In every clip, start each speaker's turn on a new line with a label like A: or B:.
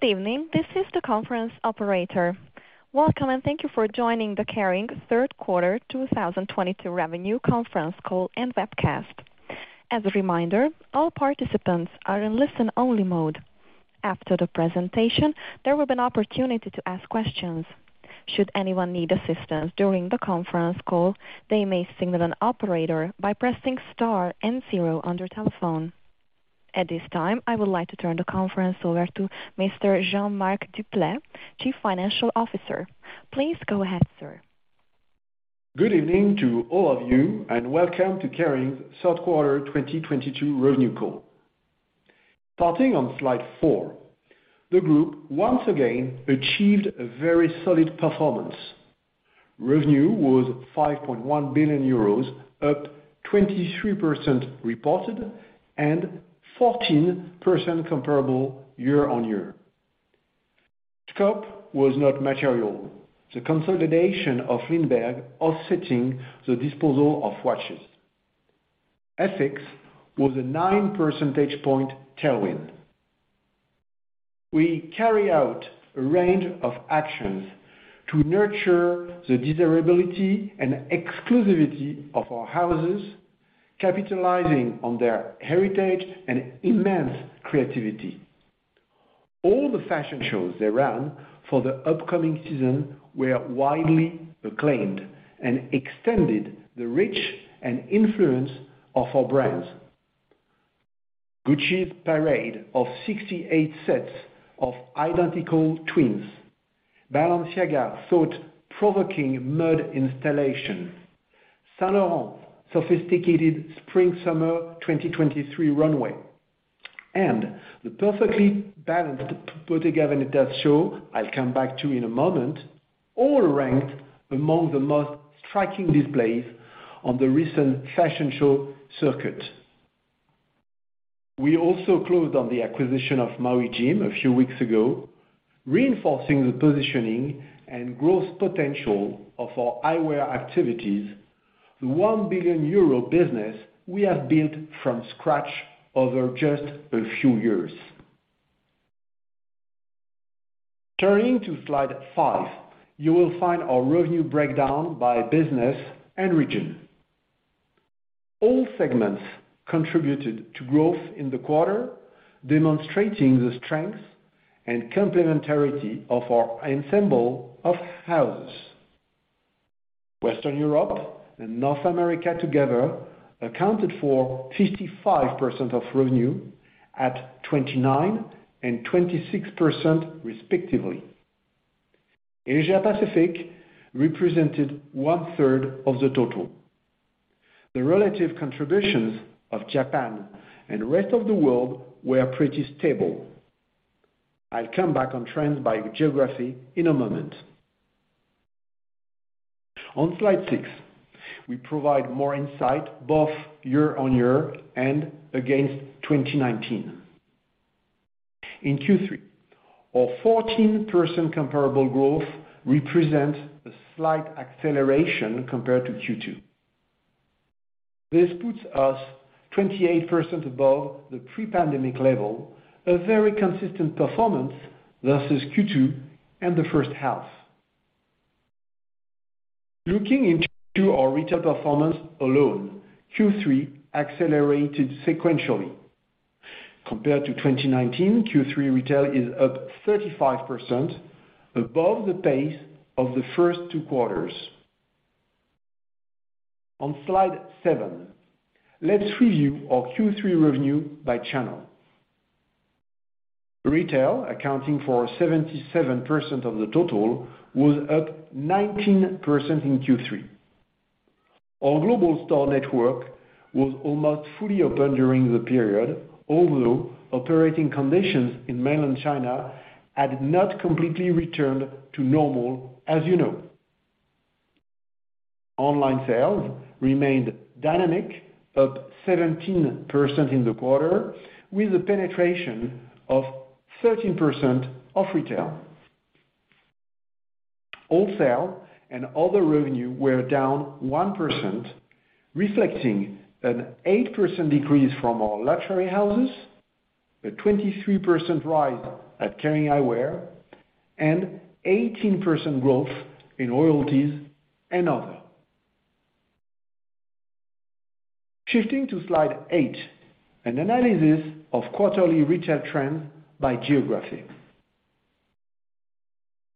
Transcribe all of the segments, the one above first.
A: Good evening. This is the conference operator. Welcome, and thank you for joining the Kering third quarter 2022 revenue conference call and webcast. As a reminder, all participants are in listen-only mode. After the presentation, there will be an opportunity to ask questions. Should anyone need assistance during the conference call, they may signal an operator by pressing star and zero on their telephone. At this time, I would like to turn the conference over to Mr. Jean-Marc Duplaix, Chief Financial Officer. Please go ahead, sir.
B: Good evening to all of you, and welcome to Kering third quarter 2022 revenue call. Starting on slide four, the group once again achieved a very solid performance. Revenue was 5.1 billion euros, up 23% reported and 14% comparable year-on-year. Scope was not material, the consolidation of Lindberg offsetting the disposal of watches. FX was a nine percentage point tailwind. We carry out a range of actions to nurture the desirability and exclusivity of our houses, capitalizing on their heritage and immense creativity. All the fashion shows they ran for the upcoming season were widely acclaimed and extended the reach and influence of our brands, Gucci's parade of 68 sets of identical twins, Balenciaga thought-provoking mud installations. Saint Laurent's sophisticated spring summer 2023 runway, and the perfectly balanced Bottega Veneta's show, I'll come back to in a moment, all ranked among the most striking displays on the recent fashion show circuit. We also closed on the acquisition of Maui Jim a few weeks ago, reinforcing the positioning and growth potential of our eyewear activities, the 1 billion euro business we have built from scratch over just a few years. Turning to slide five, you will find our revenue breakdown by business and region. All segments contributed to growth in the quarter, demonstrating the strength and complementarity of our ensemble of houses. Western Europe and North America together accounted for 55% of revenue at 29% and 26%, respectively. Asia Pacific represented 1/3 of the total. The relative contributions of Japan and rest of the world were pretty stable. I'll come back on trends by geography in a moment. On slide six, we provide more insight both year-on-year and against 2019. In Q3, our 14% comparable growth represents a slight acceleration compared to Q2. This puts us 28% above the pre-pandemic level, a very consistent performance versus Q2 and the first half. Looking into our retail performance alone, Q3 accelerated sequentially. Compared to 2019, Q3 retail is up 35% above the pace of the first two quarters. On slide seven, let's review our Q3 revenue by channel. Retail, accounting for 77% of the total, was up 19% in Q3. Our global store network was almost fully open during the period. Although operating conditions in mainland China had not completely returned to normal, as you know. Online sales remained dynamic, up 17% in the quarter, with a penetration of 13% of retail. Wholesale and other revenue were down 1%, reflecting an 8% decrease from our luxury houses, a 23% rise at Kering Eyewear, and 18% growth in royalties and other. Shifting to slide eight, an analysis of quarterly retail trends by geography.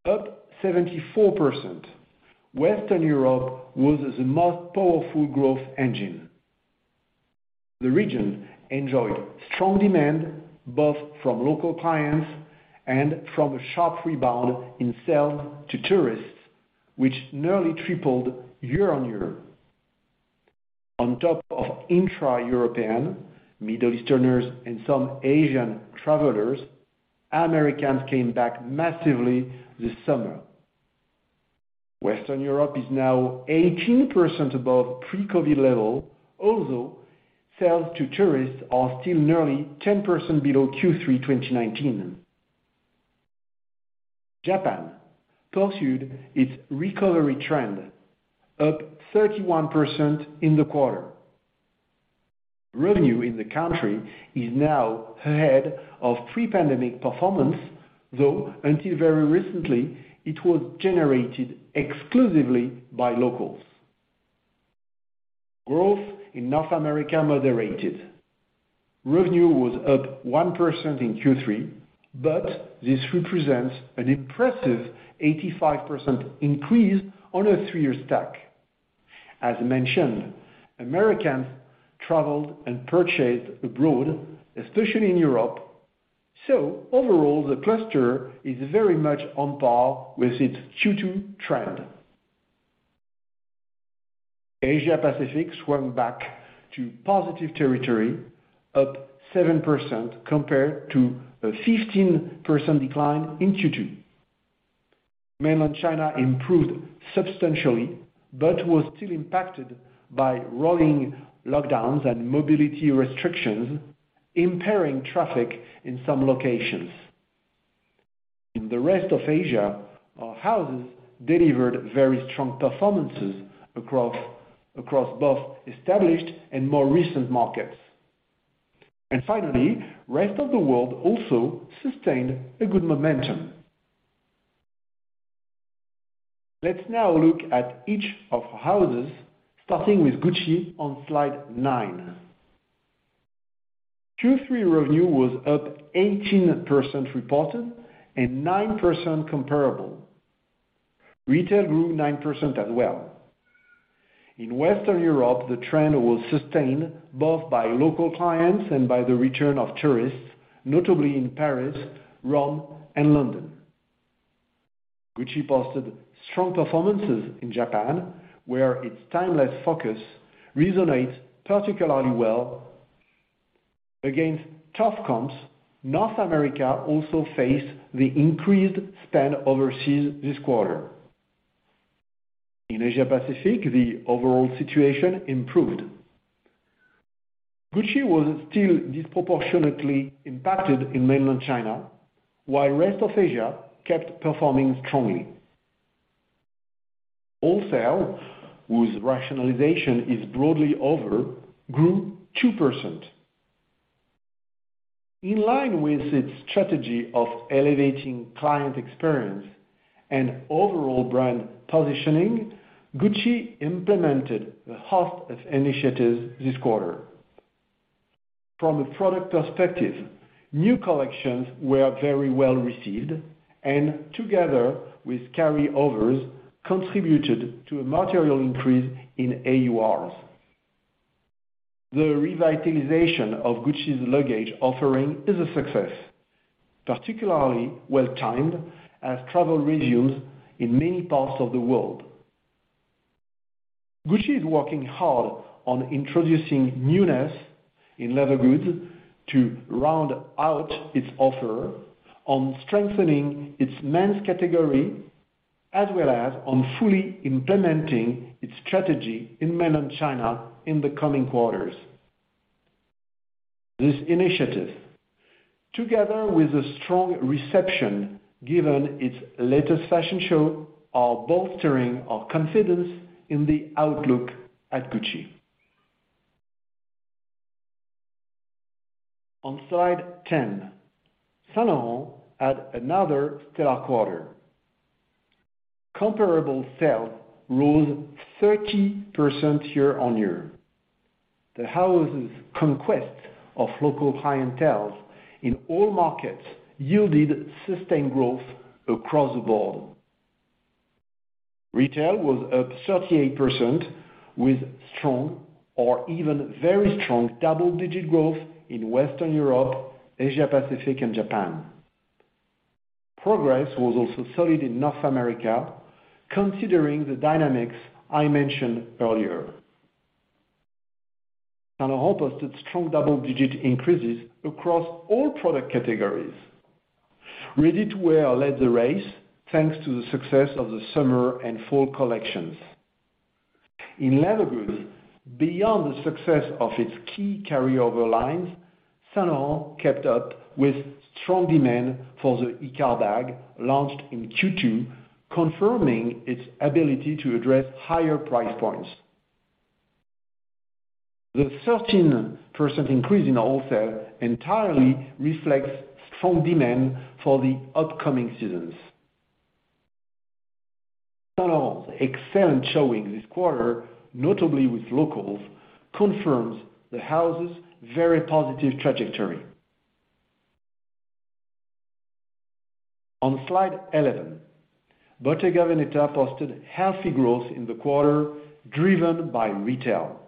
B: Up 74%, Western Europe was the most powerful growth engine. The region enjoyed strong demand, both from local clients and from a sharp rebound in sales to tourists, which nearly tripled year-on-year. On top of intra-European, Middle Easterners and some Asian travelers, Americans came back massively this summer. Western Europe is now 18% above pre-COVID level, although sales to tourists are still nearly 10% below Q3 2019. Japan pursued its recovery trend, up 31% in the quarter. Revenue in the country is now ahead of pre-pandemic performance, though until very recently, it was generated exclusively by locals. Growth in North America moderated. Revenue was up 1% in Q3, but this represents an impressive 85% increase on a 3-year stack. As mentioned, Americans traveled and purchased abroad, especially in Europe. Overall, the cluster is very much on par with its Q2 trend. Asia-Pacific swung back to positive territory, up 7% compared to a 15% decline in Q2. Mainland China improved substantially, but was still impacted by rolling lockdowns and mobility restrictions, impairing traffic in some locations. In the rest of Asia, our houses delivered very strong performances across both established and more recent markets. Finally, rest of the world also sustained a good momentum. Let's now look at each of houses, starting with Gucci on slide nine. Q3 revenue was up 18% reported and 9% comparable. Retail grew 9% as well. In Western Europe, the trend was sustained both by local clients and by the return of tourists, notably in Paris, Rome, and London. Gucci posted strong performances in Japan, where its timeless focus resonates particularly well. Against tough comps, North America also faced the increased spend overseas this quarter. In Asia-Pacific, the overall situation improved. Gucci was still disproportionately impacted in mainland China, while rest of Asia kept performing strongly. Wholesale, whose rationalization is broadly over, grew 2%. In line with its strategy of elevating client experience and overall brand positioning, Gucci implemented a host of initiatives this quarter. From a product perspective, new collections were very well-received and together with carryovers, contributed to a material increase in AURs. The revitalization of Gucci's luggage offering is a success, particularly well-timed as travel resumes in many parts of the world. Gucci is working hard on introducing newness in leather goods to round out its offer on strengthening its men's category, as well as on fully implementing its strategy in mainland China in the coming quarters. This initiative, together with a strong reception given its latest fashion show, are bolstering our confidence in the outlook at Gucci. On slide 10, Saint Laurent had another stellar quarter. Comparable sales rose 30% year-over-year. The house's conquest of local clienteles in all markets yielded sustained growth across the board. Retail was up 38% with strong or even very strong double-digit growth in Western Europe, Asia-Pacific, and Japan. Progress was also solid in North America, considering the dynamics I mentioned earlier. Saint Laurent posted strong double-digit increases across all product categories. Ready-to-wear led the race thanks to the success of the summer and fall collections. In leather goods, beyond the success of its key carryover lines, Saint Laurent kept up with strong demand for the Icare bag launched in Q2, confirming its ability to address higher price points. The 13% increase in wholesale entirely reflects strong demand for the upcoming seasons. Saint Laurent's excellent showing this quarter, notably with locals, confirms the house's very positive trajectory. On slide 11, Bottega Veneta posted healthy growth in the quarter, driven by retail.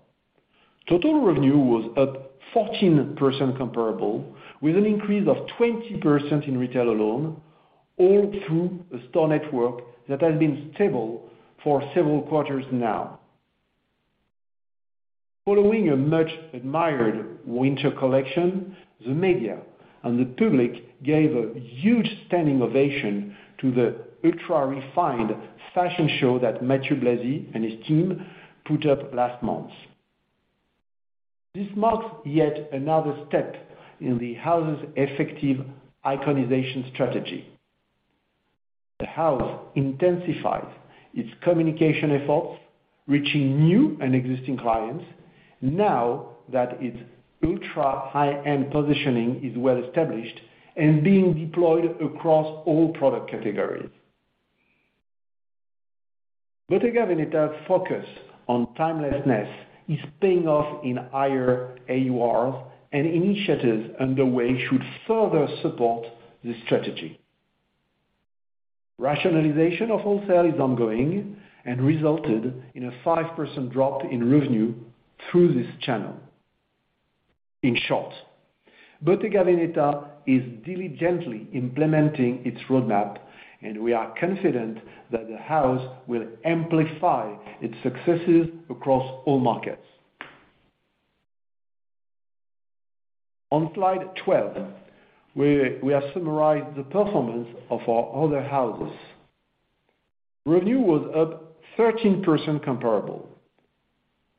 B: Total revenue was up 14% comparable, with an increase of 20% in retail alone, all through a store network that has been stable for several quarters now. Following a much-admired winter collection, the media and the public gave a huge standing ovation to the ultra-refined fashion show that Matthieu Blazy and his team put up last month. This marks yet another step in the house's effective iconization strategy. The house intensified its communication efforts, reaching new and existing clients now that its ultra high-end positioning is well established and being deployed across all product categories. Bottega Veneta focus on timelessness is paying off in higher AURs, and initiatives underway should further support this strategy. Rationalization of wholesale is ongoing and resulted in a 5% drop in revenue through this channel. In short, Bottega Veneta is diligently implementing its roadmap, and we are confident that the house will amplify its successes across all markets. On slide 12, we have summarized the performance of our other houses. Revenue was up 13% comparable.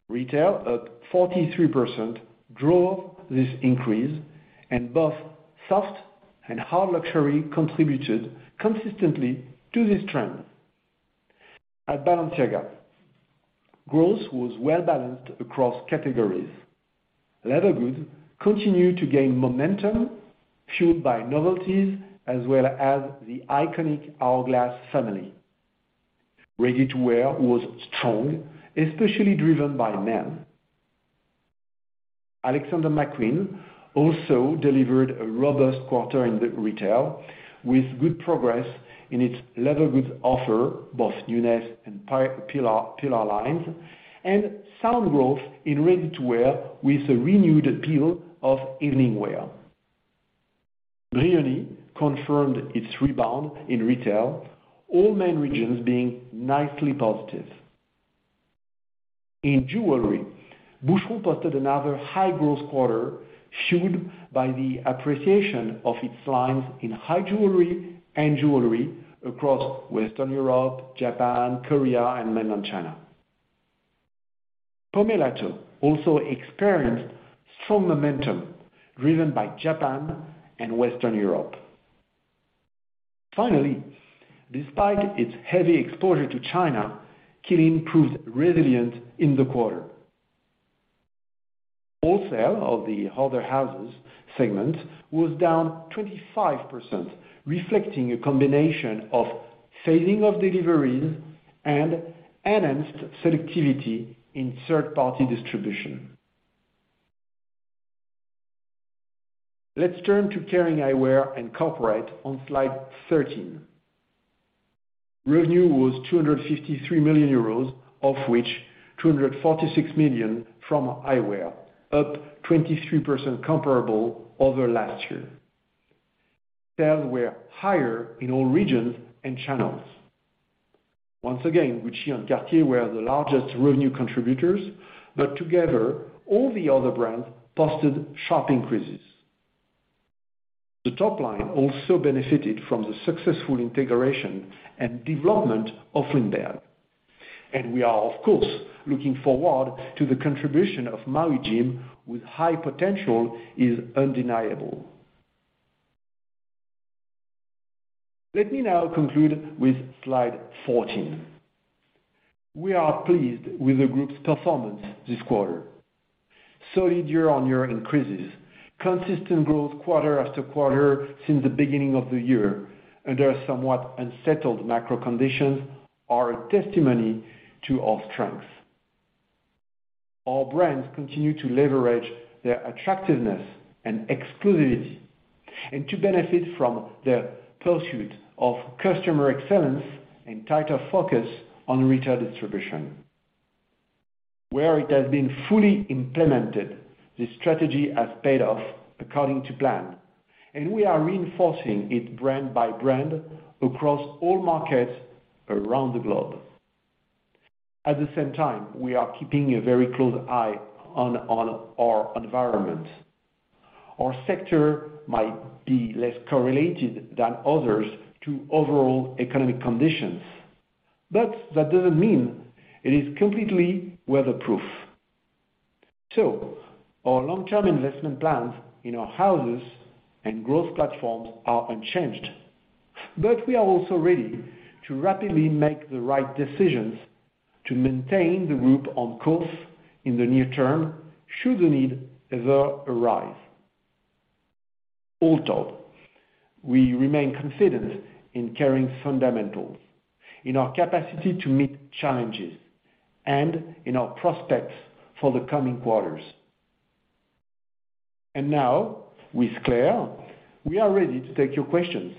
B: Retail up 43% drove this increase, and both soft and hard luxury contributed consistently to this trend. At Balenciaga, growth was well balanced across categories. Leather goods continue to gain momentum, fueled by novelties as well as the iconic Hourglass family. Ready-to-wear was strong, especially driven by men. Alexander McQueen also delivered a robust quarter in the retail, with good progress in its leather goods offer, both newness and pillar lines, and sound growth in ready-to-wear with a renewed appeal of evening wear. Brioni confirmed its rebound in retail, all main regions being nicely positive. In jewelry, Boucheron posted another high-growth quarter, fueled by the appreciation of its lines in high jewelry and jewelry across Western Europe, Japan, Korea and Mainland China. Pomellato also experienced strong momentum driven by Japan and Western Europe. Finally, despite its heavy exposure to China, Qeelin proved resilient in the quarter. Wholesale of the other houses segment was down 25%, reflecting a combination of phasing of deliveries and enhanced selectivity in third-party distribution. Let's turn to Kering Eyewear and Corporate on slide 13. Revenue was 253 million euros, of which 246 million from Eyewear, up 23% comparable over last year. Sales were higher in all regions and channels. Once again, Gucci and Cartier were the largest revenue contributors, but together, all the other brands posted sharp increases. The top line also benefited from the successful integration and development of Lindberg, and we are of course looking forward to the contribution of Maui Jim, with high potential is undeniable. Let me now conclude with slide 14. We are pleased with the group's performance this quarter. Solid year-on-year increases, consistent growth quarter after quarter since the beginning of the year, under somewhat unsettled macro conditions are a testimony to our strengths. Our brands continue to leverage their attractiveness and exclusivity and to benefit from their pursuit of customer excellence and tighter focus on retail distribution. Where it has been fully implemented, this strategy has paid off according to plan, and we are reinforcing it brand by brand across all markets around the globe. At the same time, we are keeping a very close eye on our environment. Our sector might be less correlated than others to overall economic conditions, but that doesn't mean it is completely weatherproof. Our long-term investment plans in our houses and growth platforms are unchanged. We are also ready to rapidly make the right decisions to maintain the group on course in the near term should the need ever arise. All told, we remain confident in Kering's fundamentals, in our capacity to meet challenges, and in our prospects for the coming quarters. Now with Claire, we are ready to take your questions.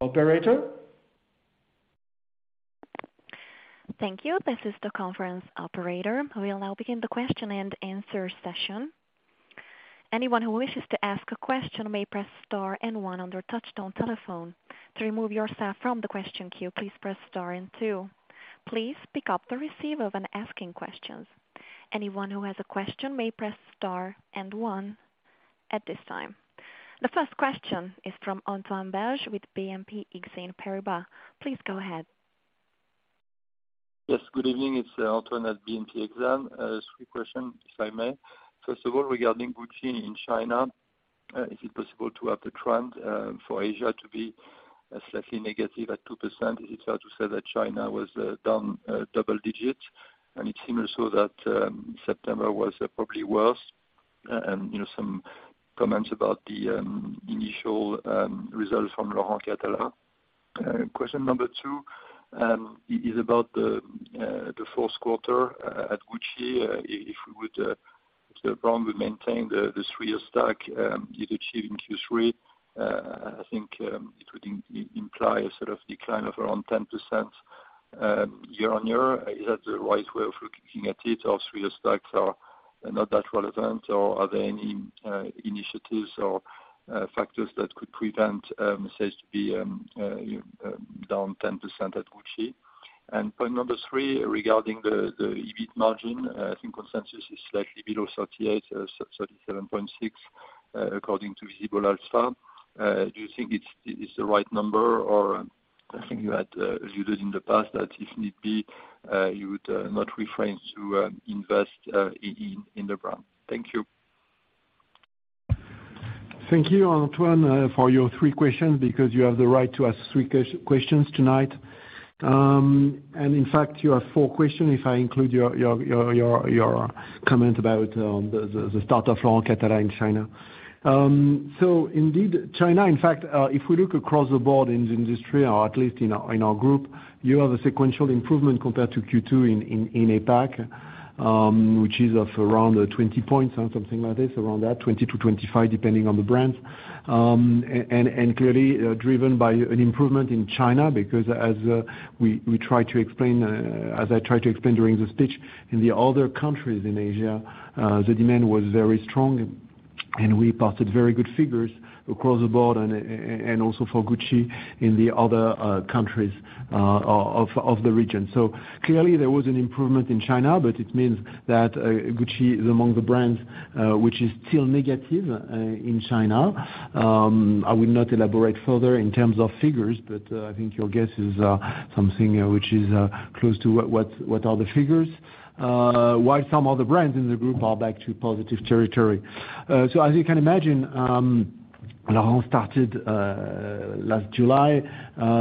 B: Operator?
A: Thank you. This is the conference operator. We'll now begin the question and answer session. Anyone who wishes to ask a question may press star and one on their touchtone telephone. To remove yourself from the question queue, please press star and two. Please pick up the receiver when asking questions. Anyone who has a question may press star and one at this time. The first question is from Antoine Belge with BNP Paribas Exane. Please go ahead.
C: Yes, good evening. It's Antoine Belge at BNP Exane. Three questions, if I may. First of all, regarding Gucci in China, is it possible to have the trend for Asia to be slightly negative at 2%? Is it fair to say that China was down double digits? It seems also that September was probably worse. You know, some comments about the initial results from Laurent Cathala. Question number two is about the fourth quarter at Gucci. If we would, if the brand would maintain the three-year stack it achieved in Q3, I think, it would imply a sort of decline of around 10% year-on-year. Is that the right way of looking at it, or three year stacks are not that relevant or are there any initiatives or factors that could prevent sales to be down 10% at Gucci? Point number three, regarding the EBIT margin, I think consensus is slightly below 38%, sub 37.6%, according to Visible Alpha. Do you think it's the right number? I think you had, as you did in the past, that if need be, you would not refrain to invest in the brand. Thank you.
B: Thank you, Antoine, for your three questions, because you have the right to ask three questions tonight. In fact, you have four question, if I include your comment about the start of Laurent Cathala in China. Indeed, China, in fact, if we look across the board in the industry, or at least in our group, you have a sequential improvement compared to Q2 in APAC, which is of around 20 points or something like this, around that, 20-25, depending on the brands. Clearly, driven by an improvement in China because as we try to explain, as I tried to explain during the speech, in the other countries in Asia, the demand was very strong, and we passed very good figures across the board and also for Gucci in the other countries of the region. Clearly there was an improvement in China, but it means that Gucci is among the brands which is still negative in China. I will not elaborate further in terms of figures, but I think your guess is something which is close to what are the figures while some other brands in the group are back to positive territory. As you can imagine, Laurent started last July.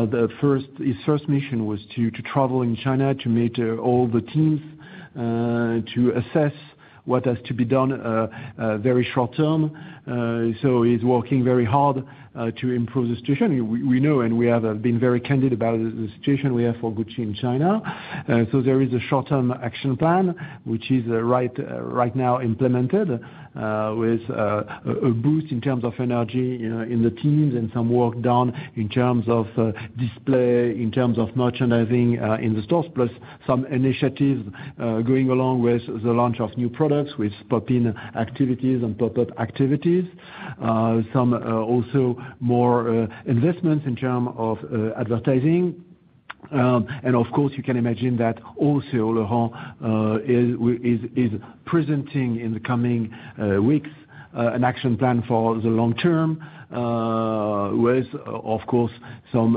B: His first mission was to travel in China, to meet all the teams, to assess what has to be done very short term. He's working very hard to improve the situation. We know and we have been very candid about the situation we have for Gucci in China. There is a short-term action plan which is right now implemented, with a boost in terms of energy in the teams and some work done in terms of display, in terms of merchandising in the stores, plus some initiatives going along with the launch of new products with pop-up activities. Some also more investments in terms of advertising. Of course, you can imagine that also Laurent is presenting in the coming weeks an action plan for the long term with of course some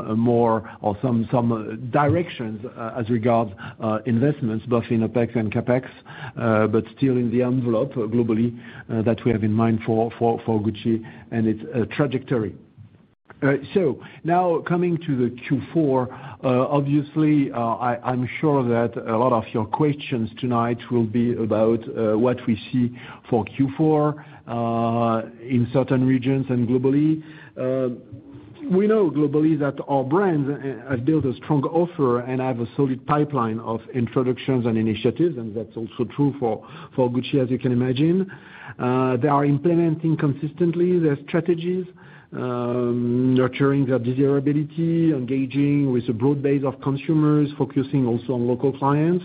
B: directions as regard investments both in OPEX and CapEx but still in the envelope globally that we have in mind for Gucci and its trajectory. Now coming to the Q4 obviously I'm sure that a lot of your questions tonight will be about what we see for Q4 in certain regions and globally. We know globally that our brands have built a strong offer and have a solid pipeline of introductions and initiatives, and that's also true for Gucci, as you can imagine. They are implementing consistently their strategies, nurturing their desirability, engaging with a broad base of consumers, focusing also on local clients.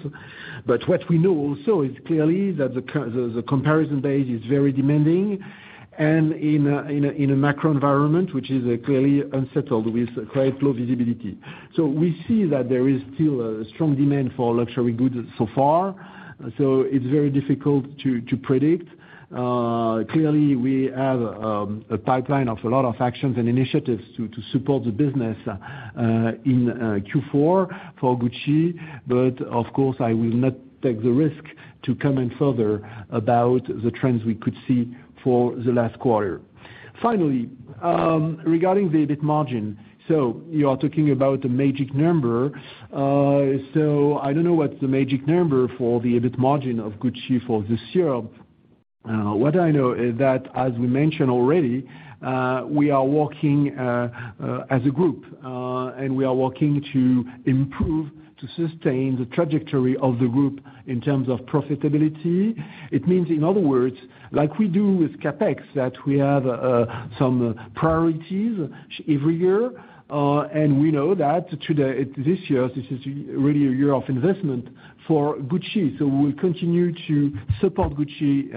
B: What we know also is clearly that the comparison base is very demanding and in a macro environment, which is clearly unsettled with quite low visibility. We see that there is still a strong demand for luxury goods so far, so it's very difficult to predict. Clearly we have a pipeline of a lot of actions and initiatives to support the business in Q4 for Gucci, but of course, I will not take the risk to comment further about the trends we could see for the last quarter. Finally, regarding the EBIT margin, you are talking about the magic number. I don't know what's the magic number for the EBIT margin of Gucci for this year. What I know is that, as we mentioned already, we are working as a group to improve, to sustain the trajectory of the group in terms of profitability. It means, in other words, like we do with CapEx, that we have some priorities every year and we know that today, this year, this is really a year of investment for Gucci. We will continue to support Gucci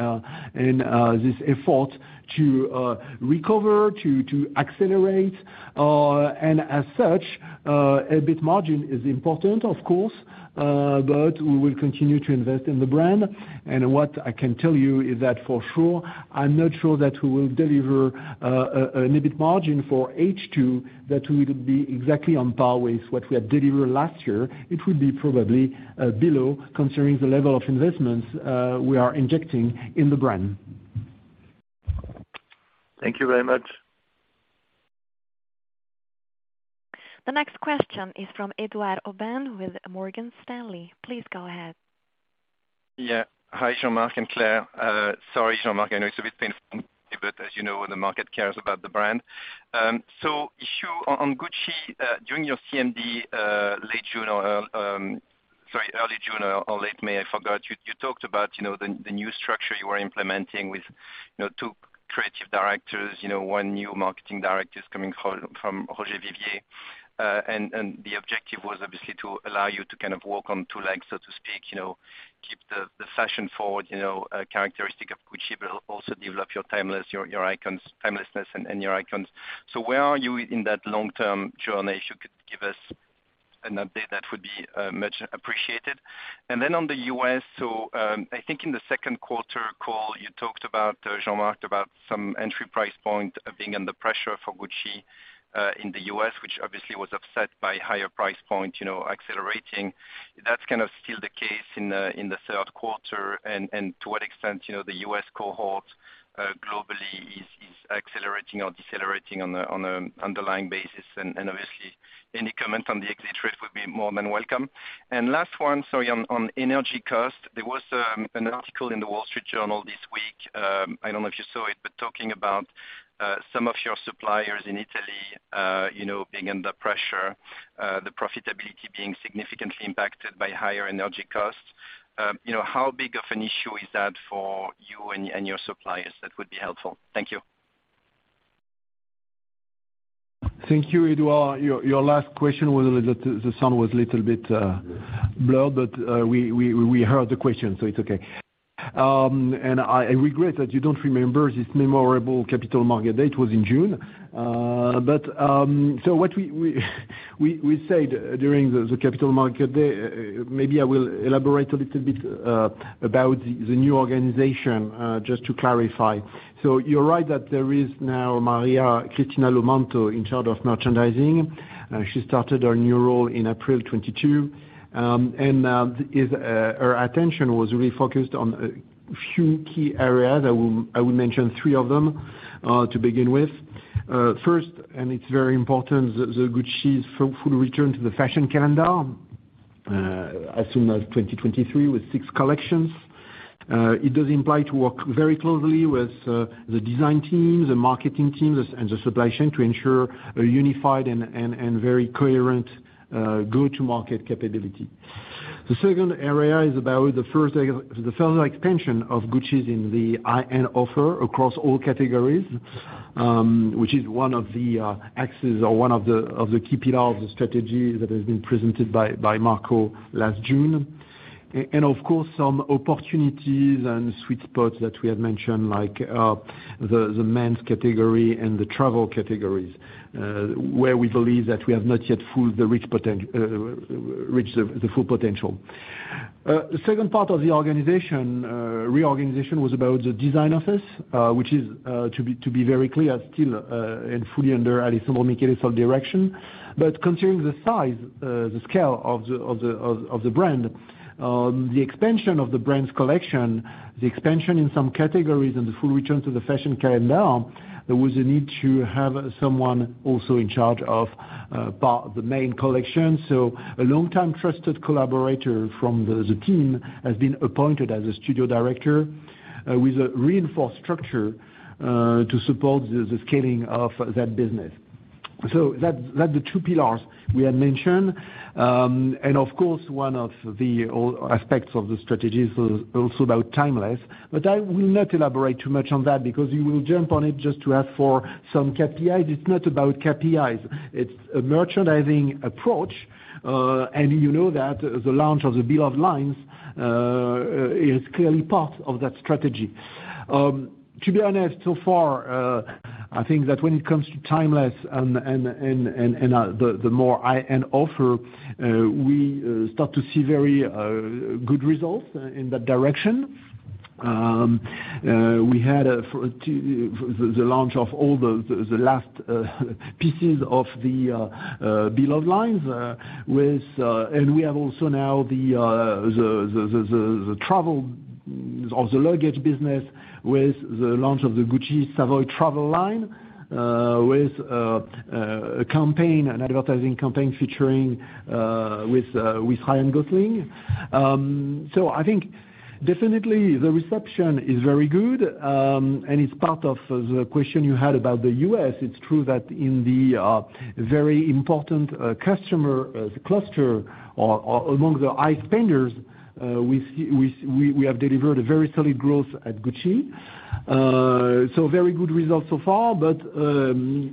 B: in this effort to recover, to accelerate. As such, EBIT margin is important of course, but we will continue to invest in the brand. What I can tell you is that for sure, I'm not sure that we will deliver an EBIT margin for H2 that we will be exactly on par with what we had delivered last year. It will be probably below considering the level of investments we are injecting in the brand.
C: Thank you very much.
A: The next question is from Edouard Aubin with Morgan Stanley. Please go ahead.
D: Yeah. Hi, Jean-Marc and Claire. Sorry, Jean-Marc, I know it's a bit painful but as you know, the market cares about the brand. Issue on Gucci, during your CMD, late June or early June or late May, I forgot. You talked about, you know, the new structure you were implementing with, you know, two creative directors, you know, one new marketing director coming from Roger Vivier. The objective was obviously to allow you to kind of walk on two legs, so to speak, you know, keep the fashion-forward characteristic of Gucci, but also develop your timeless, your icons, timelessness and your icons. Where are you in that long-term journey? If you could give us an update, that would be much appreciated. On the US, I think in the second quarter call, you talked about Jean-Marc about some entry price point being under pressure for Gucci in the US, which obviously was offset by higher price point, you know, accelerating. That's kind of still the case in the third quarter, and to what extent, you know, the US cohort globally is accelerating or decelerating on an underlying basis. Obviously, any comment on the exit rate would be more than welcome. Last one, sorry, on energy cost. There was an article in The Wall Street Journal this week, I don't know if you saw it, but talking about some of your suppliers in Italy, you know, being under pressure, the profitability being significantly impacted by higher energy costs. you know, how big of an issue is that for you and your suppliers? That would be helpful. Thank you.
B: Thank you, Edouard. Your last question, the sound was a little bit blurred, but we heard the question, so it's okay. I regret that you don't remember this memorable Capital Market Day. It was in June. What we said during the Capital Market Day, maybe I will elaborate a little bit about the new organization just to clarify. You're right that there is now Maria Cristina Lomanto in charge of merchandising. She started her new role in April 2022. Her attention was really focused on a few key areas. I will mention three of them to begin with. First, it's very important, Gucci's full return to the fashion calendar as soon as 2023 with six collections. It does imply to work very closely with the design team, the marketing teams, and the supply chain to ensure a unified and very coherent go-to-market capability. The second area is about the further expansion of Gucci's in the high-end offer across all categories, which is one of the axes or one of the key pillars of strategy that has been presented by Marco last June. Of course, some opportunities and sweet spots that we have mentioned, like the men's category and the travel categories, where we believe that we have not yet reached the full potential. The second part of the organizational reorganization was about the design office, which is, to be very clear, still and fully under Alessandro Michele's direction. Considering the size, the scale of the brand, the expansion of the brand's collection, the expansion in some categories and the full return to the fashion calendar, there was a need to have someone also in charge of the main collection. A long-time trusted collaborator from the team has been appointed as a studio director with a reinforced structure to support the scaling of that business. That's the two pillars we had mentioned. Of course, one of the all aspects of the strategy is also about timeless, but I will not elaborate too much on that because you will jump on it just to ask for some KPIs. It's not about KPIs. It's a merchandising approach, and you know that the launch of the Beloved lines is clearly part of that strategy. To be honest, so far, I think that when it comes to timeless and the more high-end offer, we start to see very good results in that direction. We had for the launch of all the last pieces of the Beloved lines, with... We have also now the travel or the luggage business with the launch of the Gucci Savoy Travel line, with a campaign, an advertising campaign featuring with Ryan Gosling. I think definitely the reception is very good, and it's part of the question you had about the US. It's true that in the very important customer cluster or among the high spenders, we have delivered a very solid growth at Gucci. So very good results so far, but the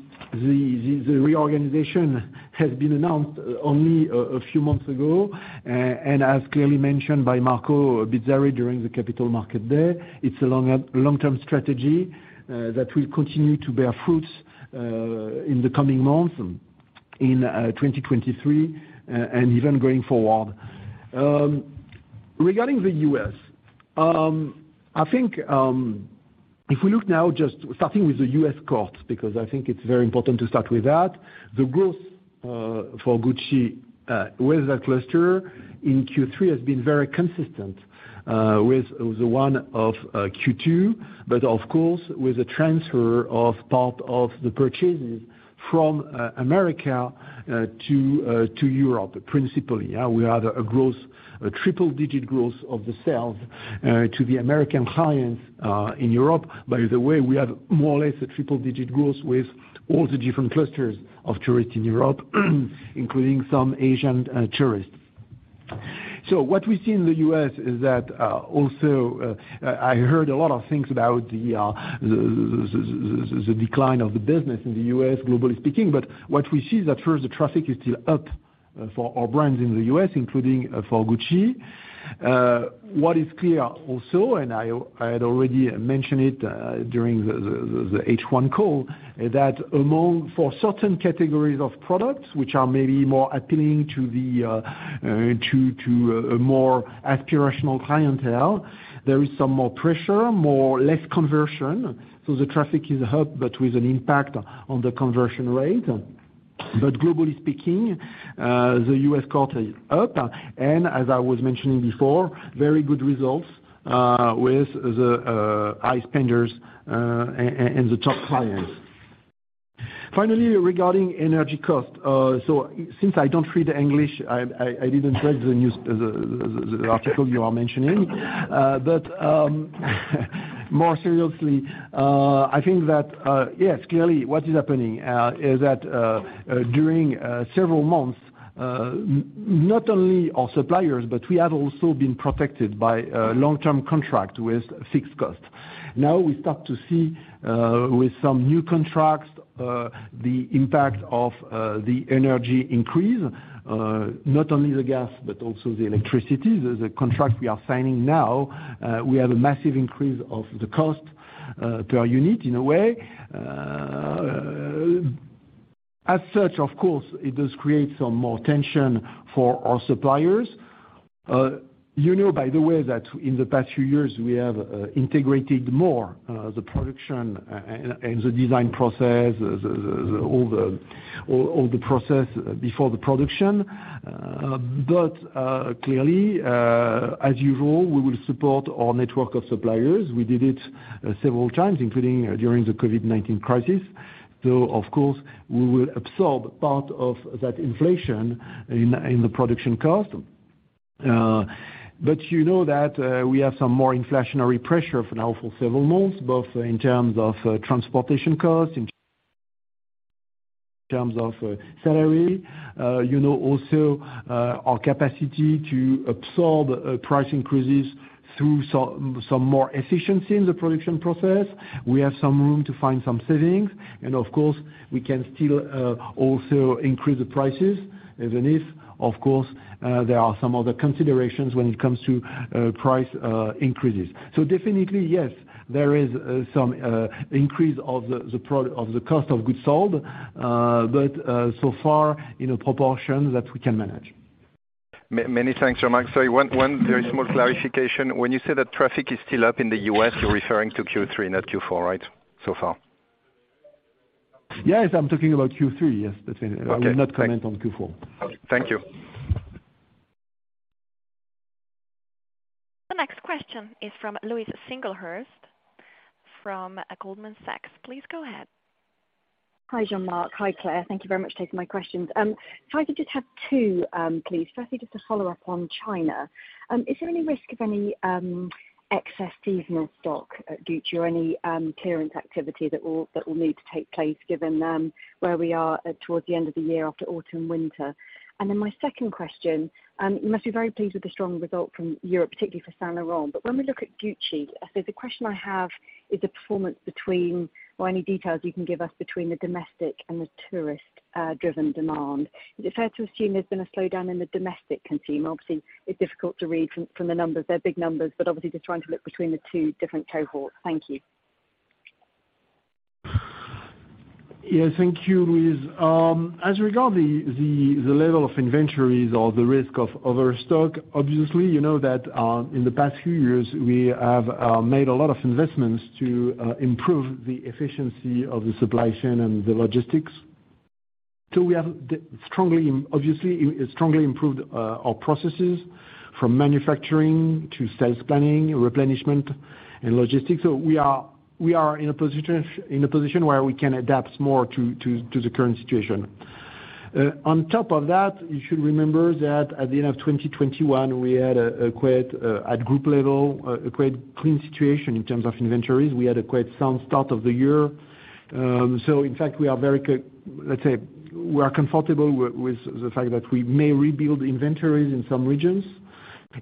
B: reorganization has been announced only a few months ago. As clearly mentioned by Marco Bizzarri during the Capital Market Day, it's a long-term strategy that will continue to bear fruits in the coming months, in 2023, and even going forward. Regarding the U.S., I think, if we look now just starting with the U.S. coast, because I think it's very important to start with that, the growth for Gucci, with the cluster in Q3 has been very consistent, with the one of Q2, but of course with the transfer of part of the purchases from America, to Europe, principally. We had a triple-digit growth of the sales to the American clients in Europe. By the way, we have more or less a triple digit growth with all the different clusters of tourists in Europe, including some Asian tourists. What we see in the U.S. is that also I heard a lot of things about the decline of the business in the U.S. globally speaking, but what we see is that first the traffic is still up for our brands in the U.S., including for Gucci. What is clear also, and I had already mentioned it during the H1 call, is that among for certain categories of products which are maybe more appealing to a more aspirational clientele, there is some more pressure, more or less conversion, so the traffic is up but with an impact on the conversion rate. Globally speaking, the U.S. quarter is up. As I was mentioning before, very good results with the high spenders and the top clients. Finally, regarding energy cost. Since I don't read English, I didn't read the news, the article you are mentioning. More seriously, I think that yes, clearly what is happening is that during several months not only our suppliers, but we have also been protected by a long-term contract with fixed costs. Now we start to see with some new contracts the impact of the energy increase not only the gas but also the electricity. The contract we are signing now, we have a massive increase of the cost per unit in a way. As such, of course, it does create some more tension for our suppliers. You know by the way that in the past few years we have integrated more the production and the design process, all the process before the production. Clearly, as usual, we will support our network of suppliers. We did it several times, including during the COVID-19 crisis. Of course, we will absorb part of that inflation in the production cost. You know that we have some more inflationary pressure now for several months, both in terms of transportation costs, in terms of salary. You know also our capacity to absorb price increases through some more efficiency in the production process. We have some room to find some savings, and of course we can still also increase the prices even if, of course, there are some other considerations when it comes to price increases. Definitely, yes, there is some increase of the cost of goods sold. so far in a proportion that we can manage.
D: Many thanks, Jean-Marc Duplaix. Sorry, one very small clarification. When you say that traffic is still up in the U.S., you're referring to Q3, not Q4, right, so far?
B: Yes, I'm talking about Q3. Yes, that's it.
D: Okay.
B: I will not comment on Q4.
D: Thank you.
A: The next question is from Louise Singlehurst from, Goldman Sachs. Please go ahead.
E: Hi, Jean-Marc Duplaix. Hi, Claire Roblet. Thank you very much for taking my questions. If I could just have two, please. Firstly, just to follow up on China, is there any risk of any excess seasonal stock at Gucci or any clearance activity that will need to take place given where we are towards the end of the year after autumn/winter? My second question, you must be very pleased with the strong result from Europe, particularly for Saint Laurent. When we look at Gucci, so the question I have is the performance between, or any details you can give us between the domestic and the tourist driven demand. Is it fair to assume there's been a slowdown in the domestic consumer? Obviously, it's difficult to read from the numbers. They're big numbers, but obviously just trying to look between the two different cohorts. Thank you.
B: Yeah, thank you, Louise. As regards the level of inventories or the risk of overstock, obviously you know that in the past few years we have made a lot of investments to improve the efficiency of the supply chain and the logistics. We have strongly improved our processes from manufacturing to sales planning, replenishment and logistics. We are in a position where we can adapt more to the current situation. On top of that, you should remember that at the end of 2021 we had a quite clean situation in terms of inventories at group level. We had a quite sound start of the year. In fact we are comfortable with the fact that we may rebuild inventories in some regions,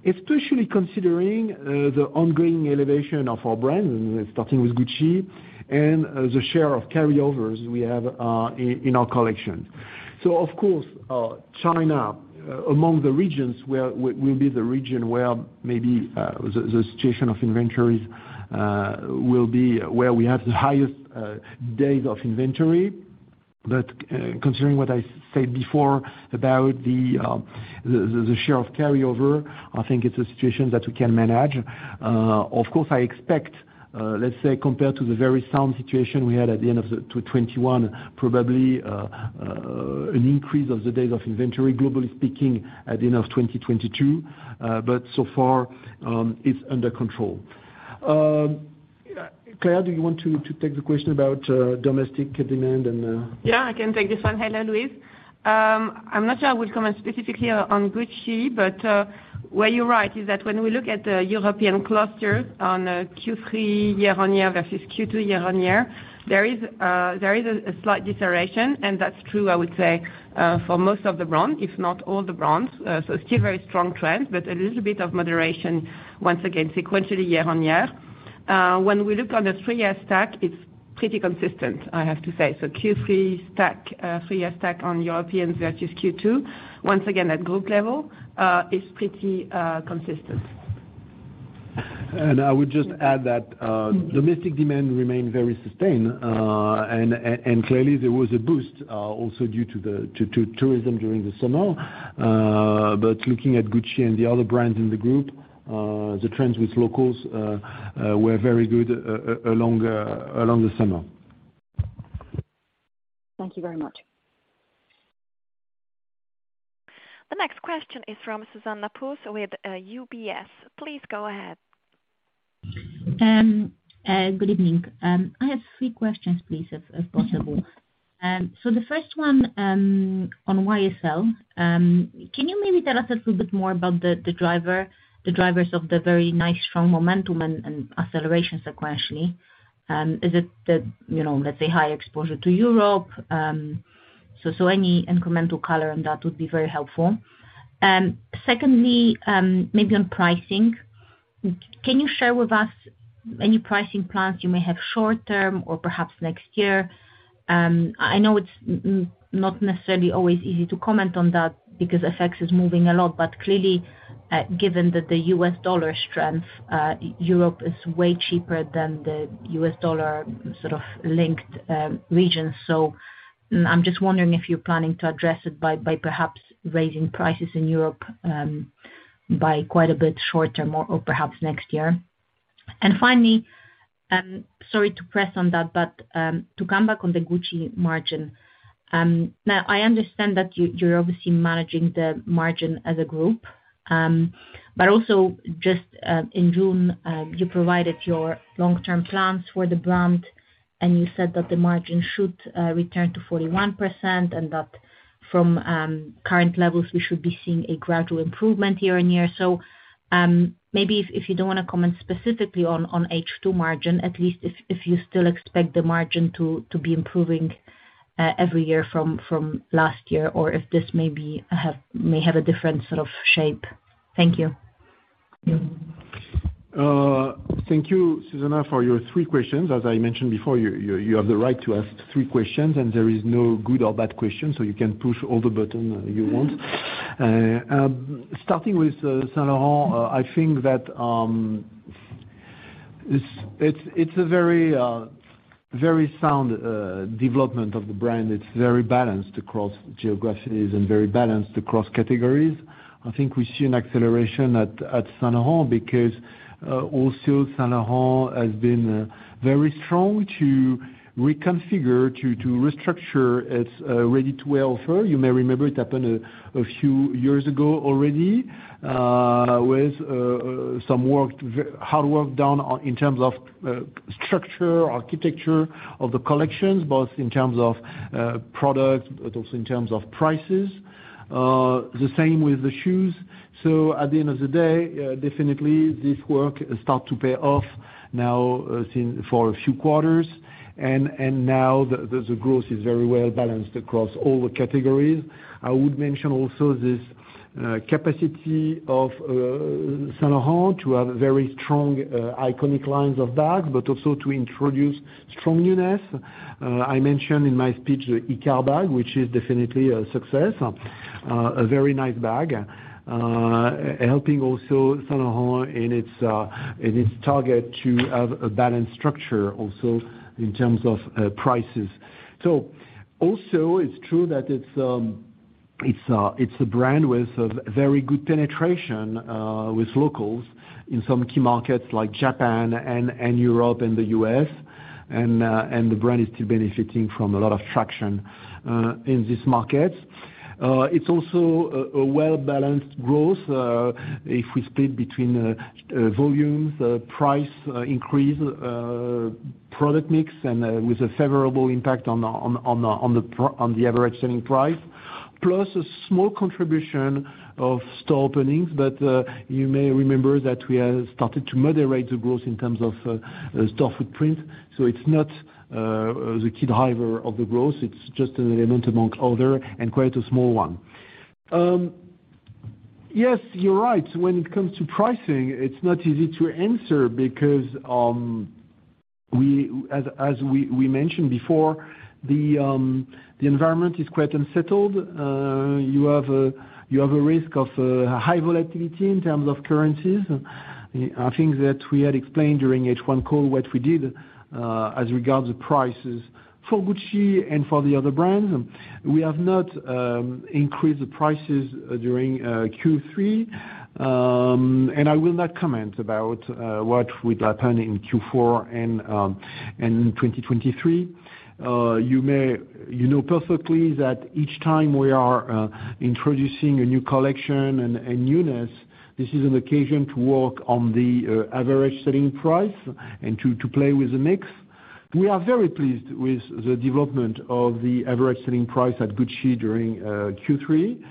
B: especially considering the ongoing elevation of our brand, starting with Gucci, and the share of carryovers we have in our collection. Of course, China among the regions will be the region where maybe the situation of inventories will be where we have the highest days of inventory. Considering what I said before about the share of carryover, I think it's a situation that we can manage. Of course, I expect, let's say compared to the very sound situation we had at the end of 2021, probably an increase of the days of inventory, globally speaking, at the end of 2022. So far, it's under control. Claire, do you want to take the question about domestic demand and
F: I can take this one. Hello, Louise. I'm not sure I will comment specifically on Gucci, but where you're right is that when we look at European cluster on Q3 year-on-year versus Q2 year-on-year, there is a slight deterioration, and that's true, I would say, for most of the brand, if not all the brands. Still very strong trend, but a little bit of moderation, once again, sequentially year-on-year. When we look on the three-year stack, it's pretty consistent, I have to say. Q3 stack, three-year stack on Europeans versus Q2, once again, at group level, is pretty consistent.
B: I would just add that domestic demand remained very sustained. Clearly there was a boost also due to the tourism during the summer. Looking at Gucci and the other brands in the group, the trends with locals were very good all along the summer.
A: Thank you very much. The next question is from Zuzanna Pusz with UBS. Please go ahead.
G: Good evening. I have three questions, please, if possible. The first one, on YSL. Can you maybe tell us a little bit more about the drivers of the very nice strong momentum and acceleration sequentially? Is it the, you know, let's say, high exposure to Europe? Any incremental color on that would be very helpful. Secondly, maybe on pricing. Can you share with us any pricing plans you may have short term or perhaps next year? I know it's not necessarily always easy to comment on that because FX is moving a lot. Clearly, given that the US dollar strength, Europe is way cheaper than the US dollar sort of linked region. I'm just wondering if you're planning to address it by perhaps raising prices in Europe by quite a bit short term or perhaps next year. Finally, sorry to press on that, but to come back on the Gucci margin. Now, I understand that you're obviously managing the margin as a group. But also just in June, you provided your long-term plans for the brand, and you said that the margin should return to 41% and that from current levels, we should be seeing a gradual improvement year-on-year. Maybe if you don't wanna comment specifically on H2 margin, at least if you still expect the margin to be improving every year from last year or if this may have a different sort of shape. Thank you.
B: Thank you, Zuzanna, for your three questions. As I mentioned before, you have the right to ask three questions, and there is no good or bad question, so you can push all the buttons you want. Starting with Saint Laurent, I think that it's a very sound development of the brand. It's very balanced across geographies and very balanced across categories. I think we see an acceleration at Saint Laurent because also Saint Laurent has been very strong to reconfigure, to restructure its ready-to-wear offer. You may remember it happened a few years ago already, with some very hard work done, in terms of structure, architecture of the collections, both in terms of product, but also in terms of prices. The same with the shoes. At the end of the day, definitely this work start to pay off now, since for a few quarters. Now the growth is very well balanced across all the categories. I would mention also this capacity of Saint Laurent to have very strong iconic lines of bag, but also to introduce strong newness. I mentioned in my speech the Icare bag, which is definitely a success, a very nice bag, helping also Saint Laurent in its target to have a balanced structure also in terms of prices. Also, it's true that it's a brand with a very good penetration with locals in some key markets like Japan, Europe and the U.S.. The brand is still benefiting from a lot of traction in this market. It's also a well-balanced growth if we split between volumes, price increase, product mix, and with a favorable impact on the average selling price. Plus a small contribution of store openings, but you may remember that we have started to moderate the growth in terms of store footprint. It's not the key driver of the growth. It's just an element among other and quite a small one. Yes, you're right. When it comes to pricing, it's not easy to answer because as we mentioned before, the environment is quite unsettled. You have a risk of high volatility in terms of currencies. I think that we had explained during H1 call what we did as regards prices for Gucci and for the other brands. We have not increased the prices during Q3. I will not comment about what will happen in Q4 and in 2023. You know perfectly that each time we are introducing a new collection and newness, this is an occasion to work on the average selling price and to play with the mix. We are very pleased with the development of the average selling price at Gucci during Q3.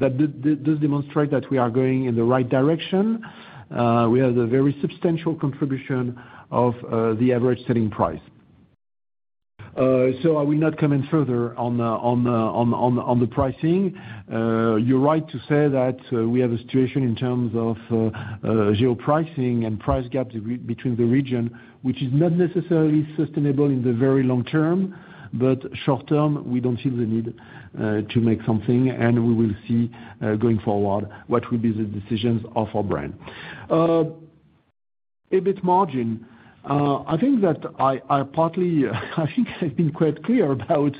B: That does demonstrate that we are going in the right direction. We have a very substantial contribution of the average selling price. I will not comment further on the pricing. You're right to say that we have a situation in terms of geo pricing and price gaps between the region, which is not necessarily sustainable in the very long term. Short term, we don't feel the need to make something, and we will see going forward what will be the decisions of our brand. EBIT margin, I think partly I've been quite clear about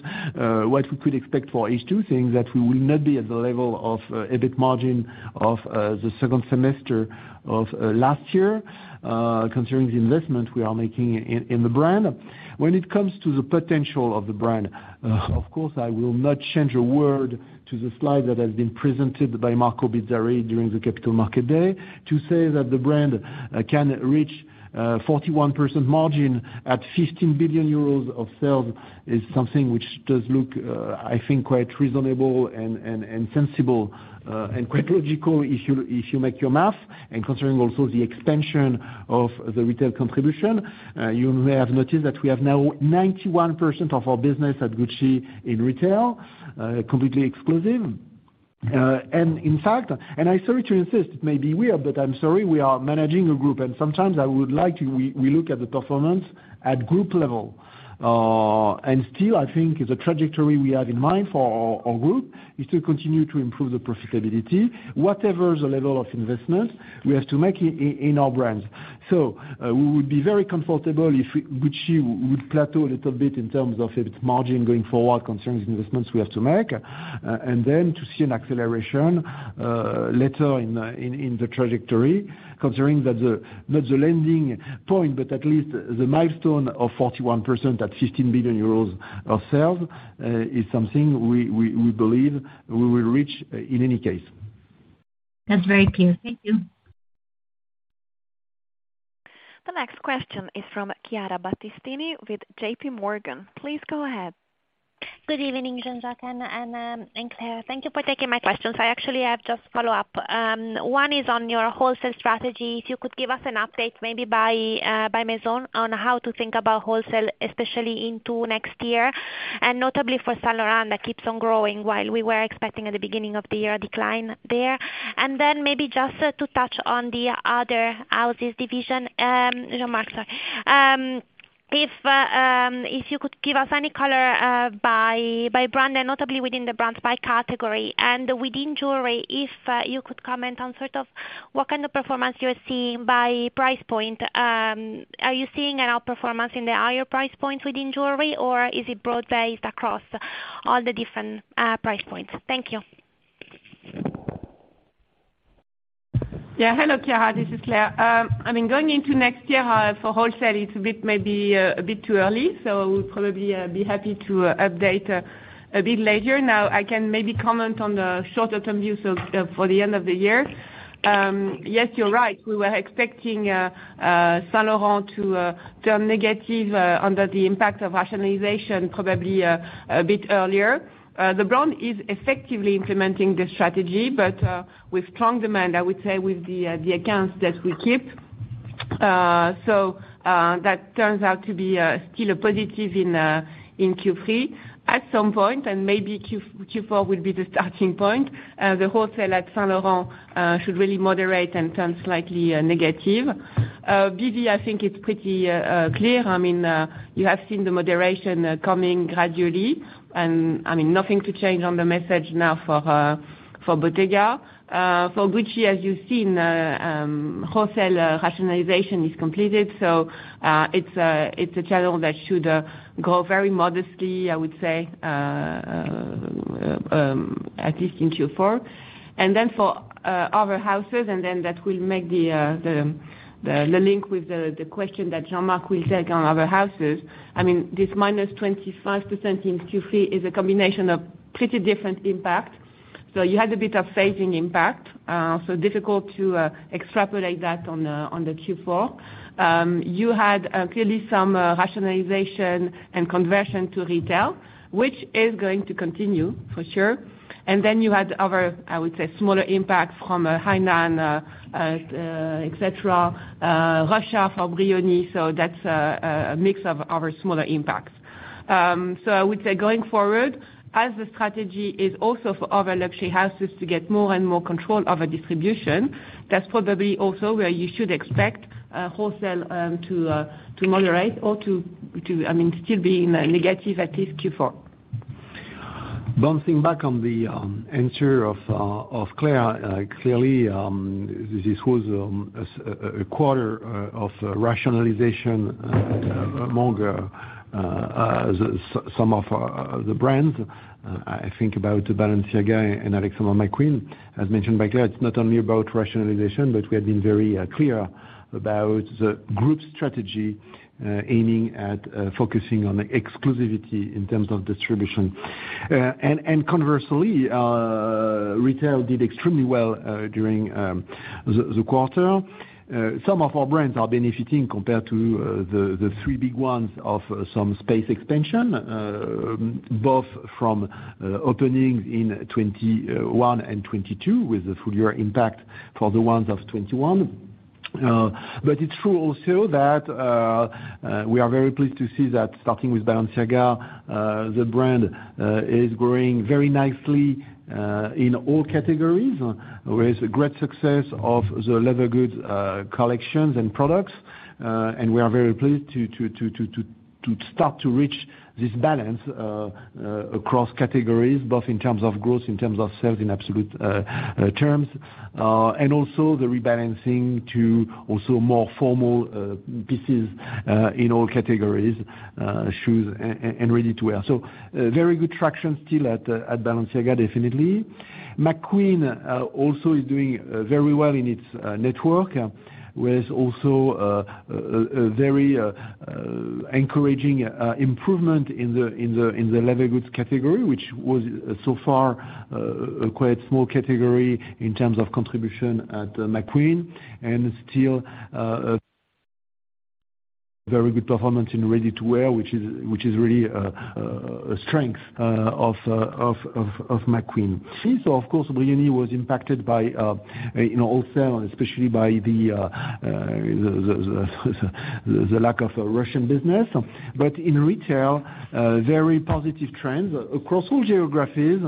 B: what we could expect for H2, saying that we will not be at the level of EBIT margin of the second semester of last year, considering the investment we are making in the brand. When it comes to the potential of the brand, of course, I will not change a word to the slide that has been presented by Marco Bizzarri during the Capital Market Day. To say that the brand can reach 41% margin at 15 billion euros of sales is something which does look, I think, quite reasonable and sensible, and quite logical if you do the math. Considering also the expansion of the retail contribution, you may have noticed that we have now 91% of our business at Gucci in retail, completely exclusive. In fact, I'm sorry to insist, it may be weird, but I'm sorry, we are managing a group, and sometimes I would like to relook at the performance at group level. Still, I think the trajectory we have in mind for our group is to continue to improve the profitability, whatever the level of investment we have to make in our brands. We would be very comfortable if Gucci would plateau a little bit in terms of its margin going forward concerning the investments we have to make, then to see an acceleration later in the trajectory, considering that the, not the landing point, but at least the milestone of 41% at 15 billion euros of sales is something we believe we will reach in any case.
G: That's very clear. Thank you.
A: The next question is from Chiara Battistini with J.P. Morgan. Please go ahead.
H: Good evening, Jean-Marc Duplaix and Claire Roblet. Thank you for taking my questions. I actually have just follow-up. One is on your wholesale strategy. If you could give us an update maybe by maison on how to think about wholesale, especially into next year, and notably for Saint Laurent that keeps on growing while we were expecting at the beginning of the year a decline there. Then maybe just to touch on the other houses division, Jean-Marc Duplaix, sorry. If you could give us any color by brand and notably within the brands by category. Within jewelry, if you could comment on sort of what kind of performance you're seeing by price point. Are you seeing an outperformance in the higher price points within jewelry, or is it broad-based across all the different price points? Thank you.
F: Yeah. Hello, Chiara, this is Claire. I mean, going into next year, for wholesale, it's a bit, maybe a bit too early, so we'll probably be happy to update a bit later. Now, I can maybe comment on the shorter term views for the end of the year. Yes, you're right. We were expecting Saint Laurent to turn negative under the impact of rationalization probably a bit earlier. The brand is effectively implementing the strategy, but with strong demand, I would say, with the accounts that we keep. So, that turns out to be still a positive in Q3. At some point, and maybe Q4 will be the starting point, the wholesale at Saint Laurent should really moderate and turn slightly negative. BV, I think it's pretty clear. I mean, you have seen the moderation coming gradually, and I mean, nothing to change on the message now for Bottega. For Gucci, as you've seen, wholesale rationalization is completed, so it's a channel that should grow very modestly, I would say, at least in Q4. Then for other houses, that will make the link with the question that Jean-Marc will take on other houses. I mean, this -25% in Q3 is a combination of pretty different impact. You had a bit of phasing impact, so difficult to extrapolate that onto Q4. You had clearly some rationalization and conversion to retail, which is going to continue, for sure. Then you had other, I would say, smaller impact from Hainan, et cetera, Russia for Brioni. That's a mix of other smaller impacts. I would say going forward, as the strategy is also for other luxury houses to get more and more control of a distribution, that's probably also where you should expect wholesale to moderate or, I mean, still be in the negative, at least Q4.
B: Bouncing back on the answer of Claire, clearly, this was a quarter of rationalization among some of the brands. I think about Balenciaga and Alexander McQueen. As mentioned by Claire, it's not only about rationalization, but we have been very clear about the group's strategy, aiming at focusing on exclusivity in terms of distribution. Conversely, retail did extremely well during the quarter. Some of our brands are benefiting compared to the three big ones from some space expansion, both from opening in 2021 and 2022, with the full year impact for the ones of 2021. It's true also that we are very pleased to see that starting with Balenciaga, the brand is growing very nicely in all categories with a great success of the leather goods collections and products. We are very pleased to start to reach this balance across categories, both in terms of growth, in terms of sales in absolute terms, and also the rebalancing to also more formal pieces in all categories, shoes and ready to wear. Very good traction still at Balenciaga, definitely. Alexander McQueen also is doing very well in its network, with also a very encouraging improvement in the leather goods category, which was so far a quite small category in terms of contribution at Alexander McQueen. Still a very good performance in ready-to-wear, which is really a strength of Alexander McQueen. Of course, Brioni was impacted by you know, wholesale, especially by the lack of Russian business. In retail, very positive trends across all geographies,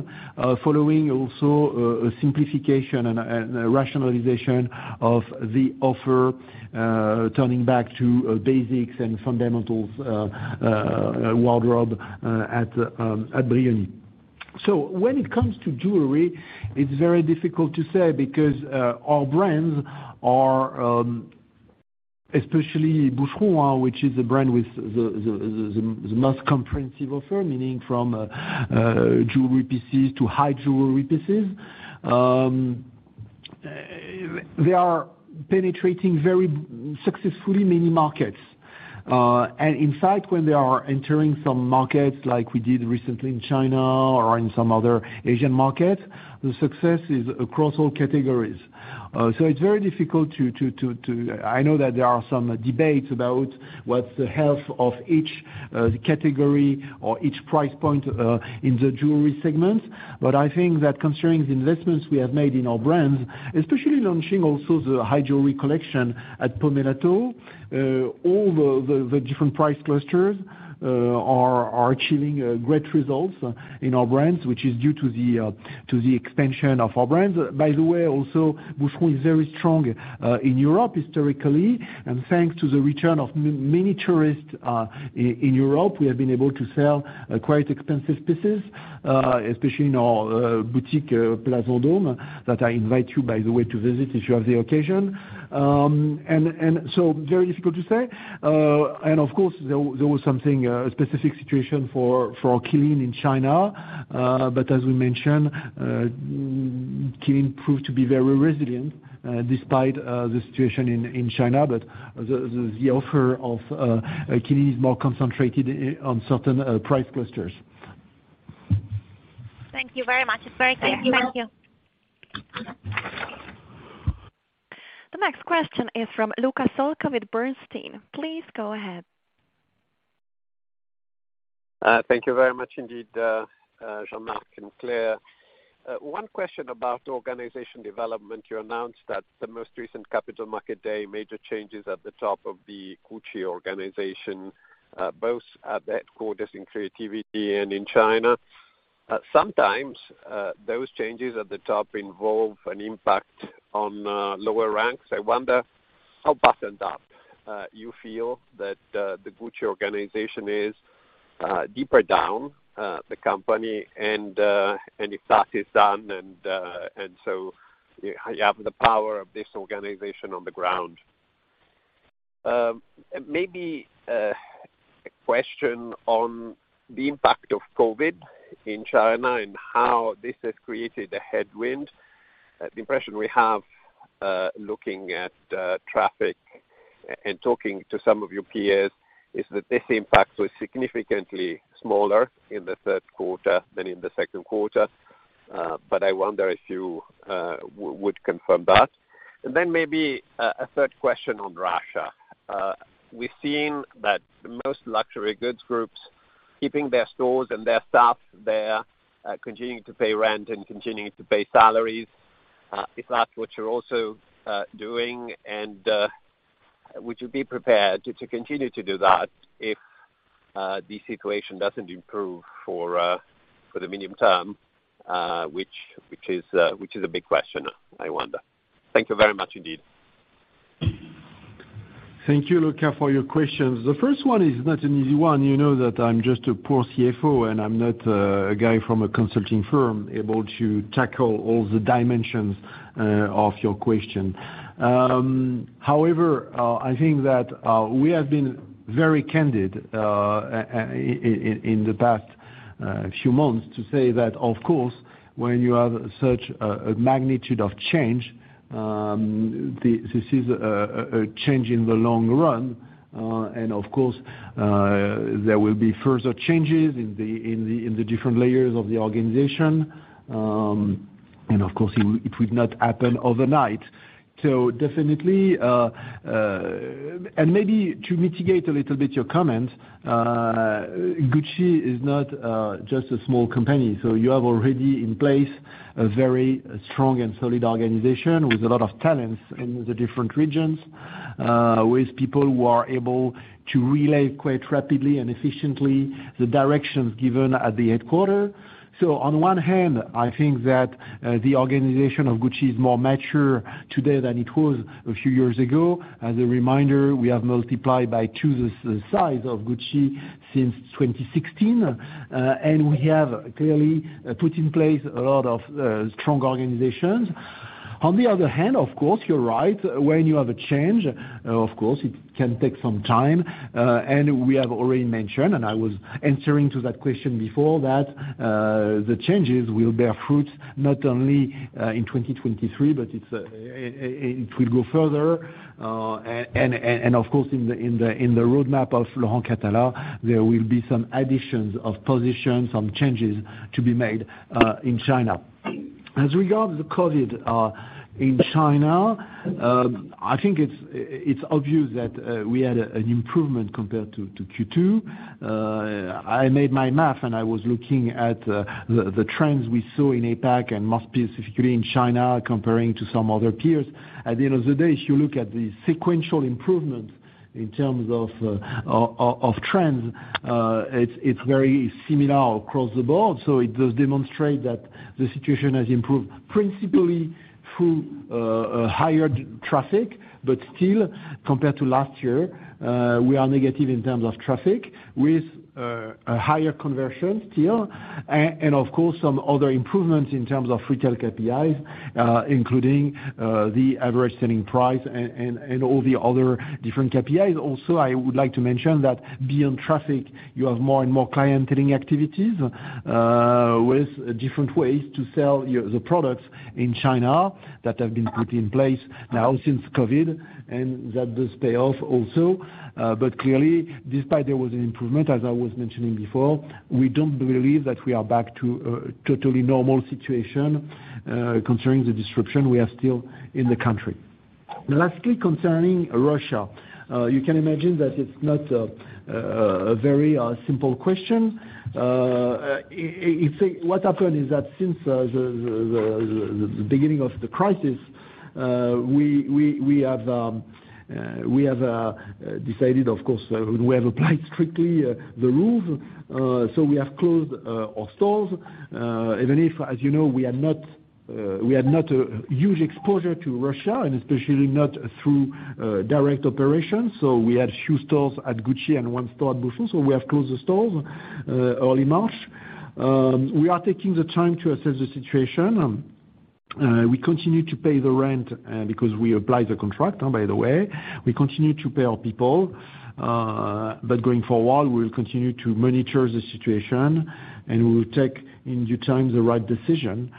B: following also a simplification and a rationalization of the offer, turning back to basics and fundamentals wardrobe at Brioni. When it comes to jewelry, it's very difficult to say because our brands are especially Boucheron, which is a brand with the most comprehensive offer, meaning from jewelry pieces to high jewelry pieces. They are penetrating very successfully many markets. In fact, when they are entering some markets like we did recently in China or in some other Asian markets, the success is across all categories. I know that there are some debates about what's the health of each category or each price point in the jewelry segment. I think that considering the investments we have made in our brands, especially launching also the high jewelry collection at Pomellato, all the different price clusters are achieving great results in our brands, which is due to the expansion of our brands. By the way, also, Boucheron is very strong in Europe historically, and thanks to the return of many tourists in Europe, we have been able to sell quite expensive pieces, especially in our boutique, Place Vendôme, that I invite you by the way to visit if you have the occasion. Very difficult to say. Of course, there was something, a specific situation for Qeelin in China. As we mentioned, Qeelin proved to be very resilient, despite the situation in China. The offer of Qeelin is more concentrated on certain price clusters.
H: Thank you very much. It's very clear. Thank you.
A: The next question is from Luca Solca with Bernstein. Please go ahead.
I: Thank you very much indeed, Jean-Marc Duplaix and Claire Roblet. One question about organization development. You announced at the most recent Capital Market Day major changes at the top of the Gucci organization, both at the headquarters in creativity and in China. Sometimes those changes at the top involve an impact on lower ranks. I wonder how buttoned up you feel that the Gucci organization is deeper down the company and if that is done and so you have the power of this organization on the ground. Maybe a question on the impact of COVID-19 in China and how this has created a headwind. The impression we have, looking at traffic and talking to some of your peers is that this impact was significantly smaller in the third quarter than in the second quarter. I wonder if you would confirm that. Maybe a third question on Russia. We've seen that most luxury goods groups keeping their stores and their staff there, continuing to pay rent and continuing to pay salaries. If that's what you're also doing and would you be prepared to continue to do that if the situation doesn't improve for the medium term? Which is a big question, I wonder. Thank you very much indeed.
B: Thank you, Luca, for your questions. The first one is not an easy one. You know that I'm just a poor CFO, and I'm not a guy from a consulting firm able to tackle all the dimensions of your question. However, I think that we have been very candid in the past few months to say that, of course, when you have such a magnitude of change, this is a change in the long run. Of course, there will be further changes in the different layers of the organization. Of course it would not happen overnight. Definitely, and maybe to mitigate a little bit your comment, Gucci is not just a small company, so you have already in place a very strong and solid organization with a lot of talents in the different regions, with people who are able to relay quite rapidly and efficiently the directions given at the headquarters. On one hand, I think that the organization of Gucci is more mature today than it was a few years ago. As a reminder, we have multiplied by two the size of Gucci since 2016. We have clearly put in place a lot of strong organizations. On the other hand, of course, you're right. When you have a change, of course, it can take some time, and we have already mentioned, and I was answering to that question before that, the changes will bear fruit not only in 2023, but it will go further. Of course, in the roadmap of Laurent Cathala, there will be some additions of positions, some changes to be made in China. As regards to the COVID in China, I think it's obvious that we had an improvement compared to Q2. I did my math, and I was looking at the trends we saw in APAC and more specifically in China comparing to some other peers. At the end of the day, if you look at the sequential improvement in terms of trends, it's very similar across the board, so it does demonstrate that the situation has improved principally through higher traffic. Still, compared to last year, we are negative in terms of traffic with a higher conversion still, and of course, some other improvements in terms of retail KPIs, including the average selling price and all the other different KPIs. Also, I would like to mention that beyond traffic, you have more and more clienteling activities with different ways to sell the products in China that have been put in place now since COVID, and that does pay off also. Clearly despite there was an improvement, as I was mentioning before, we don't believe that we are back to a totally normal situation, concerning the disruption, we are still in the country. Lastly, concerning Russia. You can imagine that it's not a very simple question. What happened is that since the beginning of the crisis, we have decided of course, we have applied strictly the rules, so we have closed our stores, even if, as you know, we had not a huge exposure to Russia and especially not through direct operations. So we had a few stores at Gucci and one store at Boucheron, so we have closed the stores early March. We are taking the time to assess the situation. We continue to pay the rent, because we abide by the contract by the way. We continue to pay our people, but going forward, we'll continue to monitor the situation, and we will take in due time the right decision,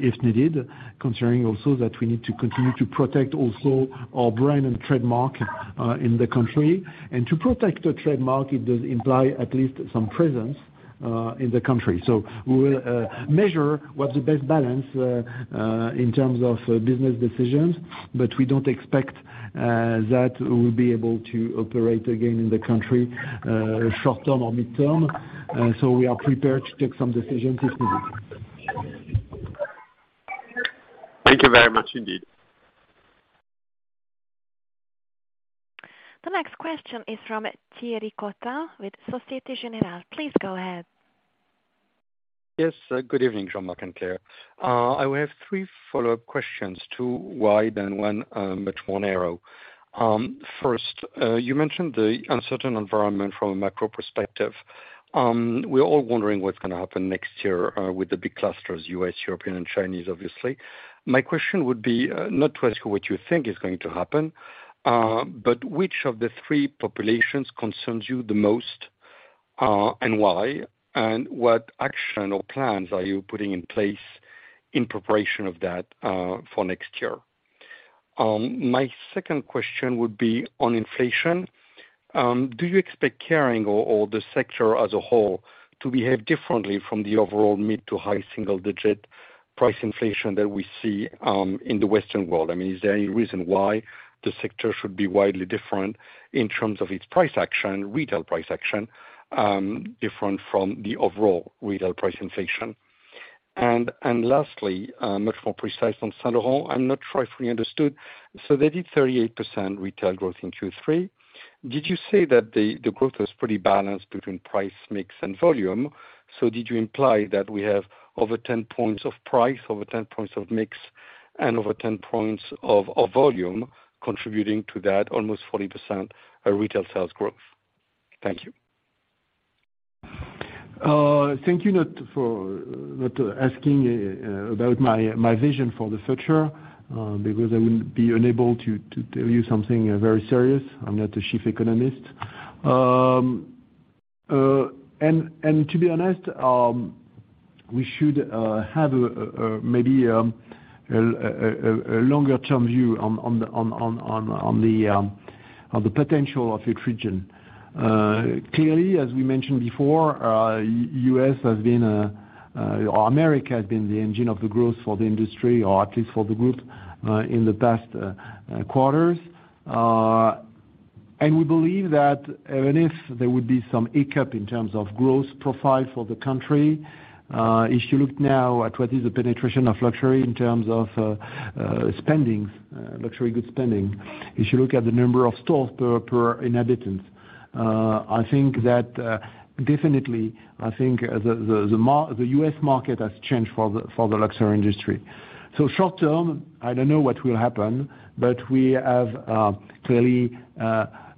B: if needed, considering also that we need to continue to protect also our brand and trademark, in the country. To protect the trademark, it does imply at least some presence, in the country. We will measure what's the best balance, in terms of business decisions, but we don't expect that we'll be able to operate again in the country, short-term or midterm. We are prepared to take some decisions if needed.
I: Thank you very much indeed.
A: The next question is from Thierry Cotta with Société Générale. Please go ahead.
J: Yes. Good evening, Jean-Marc and Claire. I have three follow-up questions, two wide and one much more narrow. First, you mentioned the uncertain environment from a macro perspective. We're all wondering what's gonna happen next year with the big clusters, US, European and Chinese obviously. My question would be not to ask what you think is going to happen, but which of the three populations concerns you the most, and why? What action or plans are you putting in place in preparation of that for next year? My second question would be on inflation. Do you expect Kering or the sector as a whole to behave differently from the overall mid- to high single-digit price inflation that we see in the Western world? I mean, is there any reason why the sector should be widely different in terms of its price action, retail price action, different from the overall retail price inflation? Lastly, much more precise on Saint Laurent. I'm not sure if we understood, so they did 38% retail growth in Q3. Did you say that the growth was pretty balanced between price mix and volume? So did you imply that we have over ten points of price, over ten points of mix, and over ten points of volume contributing to that almost 40% retail sales growth? Thank you.
B: Thank you for not asking about my vision for the future, because I would be unable to tell you something very serious. I'm not a chief economist. To be honest, we should have a longer-term view on the potential of each region. Clearly, as we mentioned before, the U.S. has been, or America has been, the engine of the growth for the industry, or at least for the group, in the past quarters. We believe that even if there would be some hiccup in terms of growth profile for the country, if you look now at what is the penetration of luxury in terms of spending, luxury good spending, if you look at the number of stores per inhabitants, I think that definitely the U.S. market has changed for the luxury industry. Short term, I don't know what will happen, but we have clearly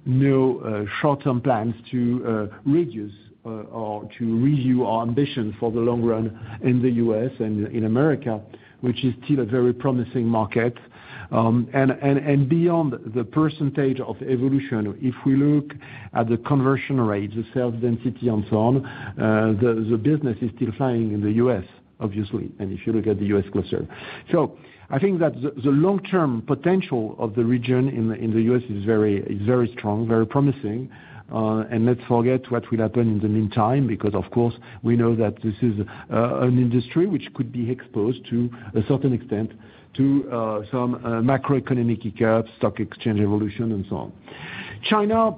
B: no short-term plans to reduce or to review our ambition for the long run in the U.S. and in America, which is still a very promising market. Beyond the percentage of evolution, if we look at the conversion rate, the sales density and so on, the business is still flying in the U.S., obviously, and if you look at the U.S. cluster. I think that the long-term potential of the region in the U.S. is very strong, very promising. Let's forget what will happen in the meantime, because of course, we know that this is an industry which could be exposed to a certain extent to some macroeconomic hiccups, stock exchange evolution, and so on. China,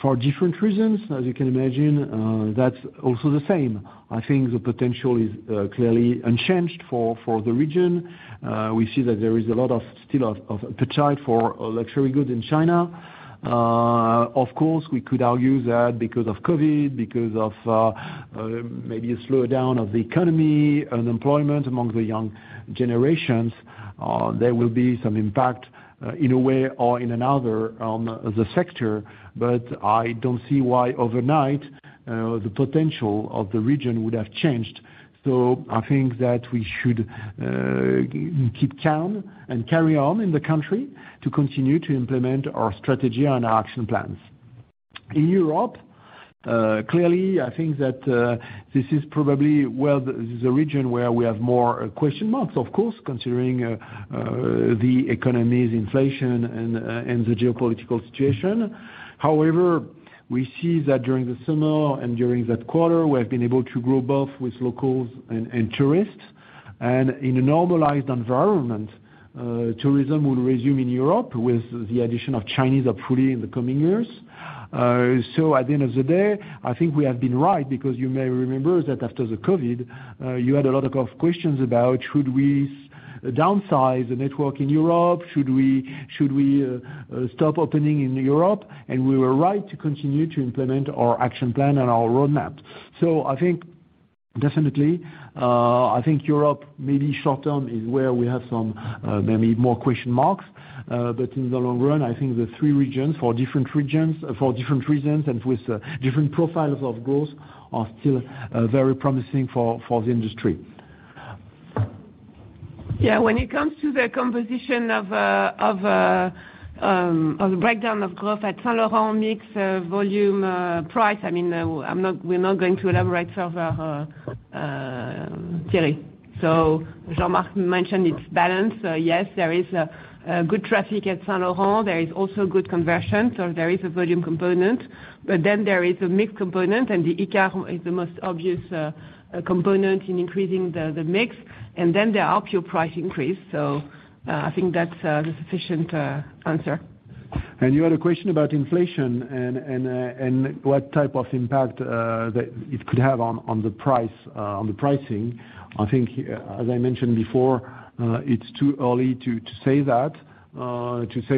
B: for different reasons, as you can imagine, that's also the same. I think the potential is clearly unchanged for the region. We see that there is still a lot of appetite for luxury goods in China. Of course, we could argue that because of COVID, because of maybe a slowdown of the economy, unemployment among the young generations, there will be some impact, in a way or in another on the sector. I don't see why overnight the potential of the region would have changed. I think that we should keep calm and carry on in the country to continue to implement our strategy and our action plans. In Europe, clearly, I think that this is probably where the region where we have more question marks, of course, considering the economy's inflation and the geopolitical situation. However, we see that during the summer and during that quarter, we have been able to grow both with locals and tourists. In a normalized environment, tourism will resume in Europe with the addition of Chinese hopefully in the coming years. So at the end of the day, I think we have been right because you may remember that after the COVID, you had a lot of kind of questions about should we downsize the network in Europe? Should we stop opening in Europe? We were right to continue to implement our action plan and our roadmap. So I think definitely, I think Europe maybe short term is where we have some maybe more question marks. But in the long run, I think the three regions, for different reasons and with different profiles of growth are still very promising for the industry.
F: Yeah. When it comes to the composition of the breakdown of growth at Saint Laurent mix, volume, price, I mean, we're not going to elaborate further, Thierry. Jean-Marc mentioned it's balanced. Yes, there is a good traffic at Saint Laurent. There is also good conversion, so there is a volume component. But then there is a mix component, and the Icare is the most obvious component in increasing the mix. And then there are pure price increase. I think that's the sufficient answer.
B: You had a question about inflation and what type of impact that it could have on the pricing. I think as I mentioned before, it's too early to say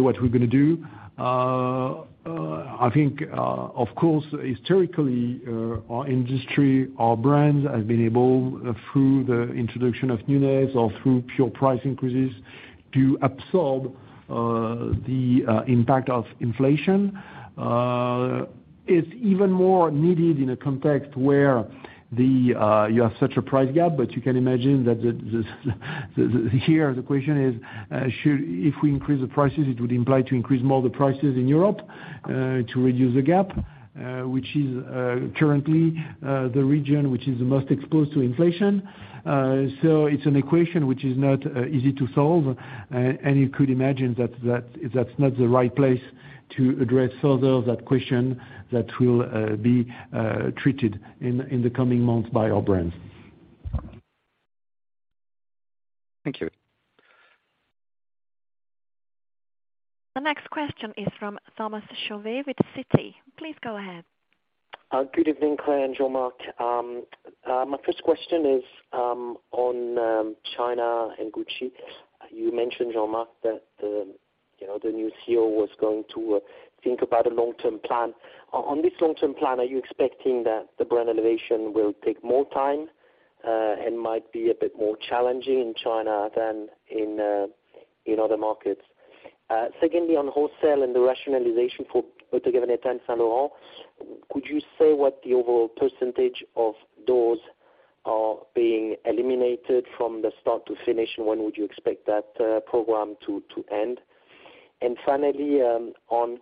B: what we're gonna do. I think, of course, historically, our industry, our brands have been able, through the introduction of newness or through pure price increases, to absorb the impact of inflation. It's even more needed in a context where you have such a price gap, but you can imagine that the question is, if we increase the prices, it would imply to increase more the prices in Europe to reduce the gap, which is currently the region which is the most exposed to inflation. It's an equation which is not easy to solve. You could imagine that that's not the right place to address further that question that will be treated in the coming months by our brands.
J: Thank you.
A: The next question is from Thomas Chauvet with Citi. Please go ahead.
K: Good evening, Claire and Jean-Marc. My first question is on China and Gucci. You mentioned, Jean-Marc, that you know the new CEO was going to think about a long-term plan. On this long-term plan, are you expecting that the brand innovation will take more time and might be a bit more challenging in China than in other markets? Secondly, on wholesale and the rationalization for Bottega Veneta and Saint Laurent, could you say what the overall percentage of those are being eliminated from the start to finish, and when would you expect that program to end? Finally, on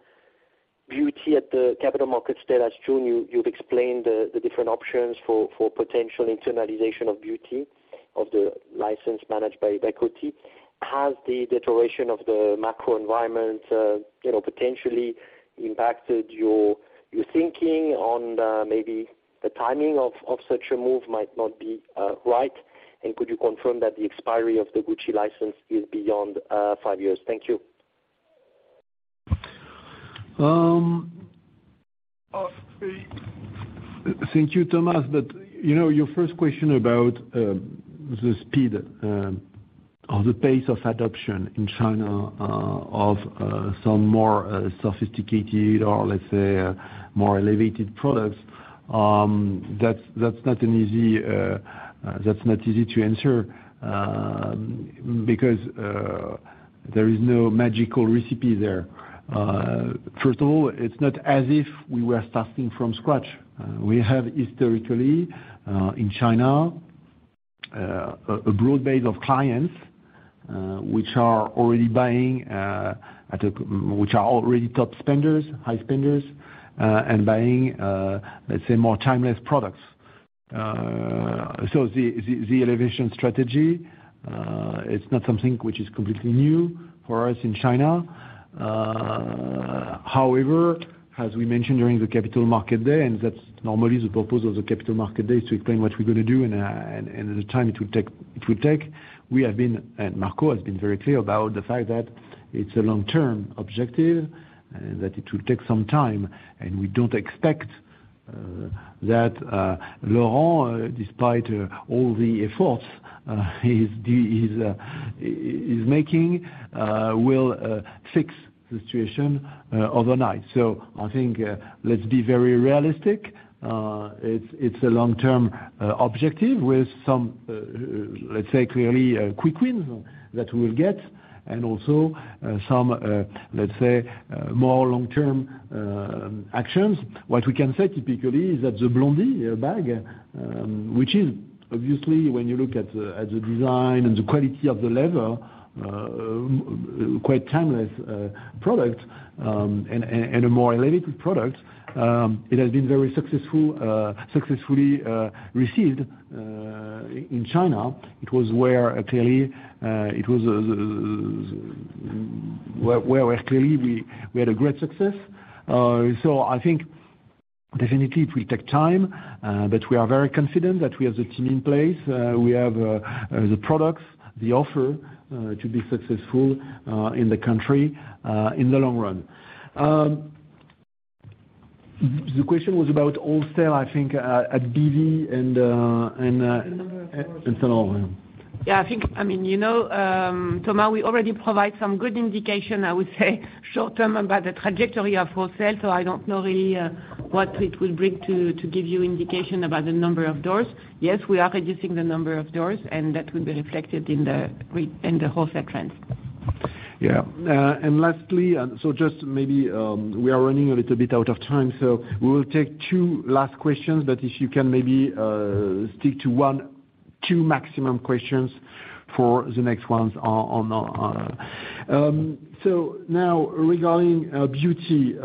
K: beauty at the Capital Market Day last June, you've explained the different options for potential internalization of beauty of the license managed by Coty. Has the deterioration of the macro environment, you know, potentially impacted your thinking on maybe the timing of such a move might not be right? Could you confirm that the expiry of the Gucci license is beyond five years? Thank you.
B: Thank you, Thomas Chauvet. You know, your first question about the speed or the pace of adoption in China of some more sophisticated or, let's say, more elevated products, that's not easy to answer because there is no magical recipe there. First of all, it's not as if we were starting from scratch. We have historically in China a broad base of clients which are already top spenders, high spenders, and buying, let's say more timeless products. The elevation strategy, it's not something which is completely new for us in China. However, as we mentioned during the Capital Market Day, and that's normally the purpose of the Capital Market Day, to explain what we're gonna do and the time it will take. We have been, and Marco has been very clear about the fact that it's a long-term objective, and that it will take some time, and we don't expect that Laurent, despite all the efforts, he's making, will fix the situation overnight. I think, let's be very realistic. It's a long-term objective with some, let's say clearly, quick wins that we'll get, and also some, let's say, more long-term actions. What we can say typically is that the Blondie bag, which is obviously when you look at the design and the quality of the leather, quite timeless product, and a more elevated product, it has been very successful, successfully received in China. It was where clearly we had a great success. I think definitely it will take time, but we are very confident that we have the team in place. We have the products, the offer to be successful in the country in the long run. The question was about wholesale, I think, at BV and
F: The number of stores.
B: Saint Laurent.
F: Yeah, I think, I mean, you know, Thomas, we already provide some good indication, I would say short term about the trajectory of wholesale, so I don't know really, what it will bring to give you indication about the number of doors. Yes, we are reducing the number of doors and that will be reflected in the wholesale trends.
B: Last, just maybe we are running a little bit out of time, so we will take two last questions, but if you can maybe stick to one, two maximum questions for the next ones. Now regarding beauty,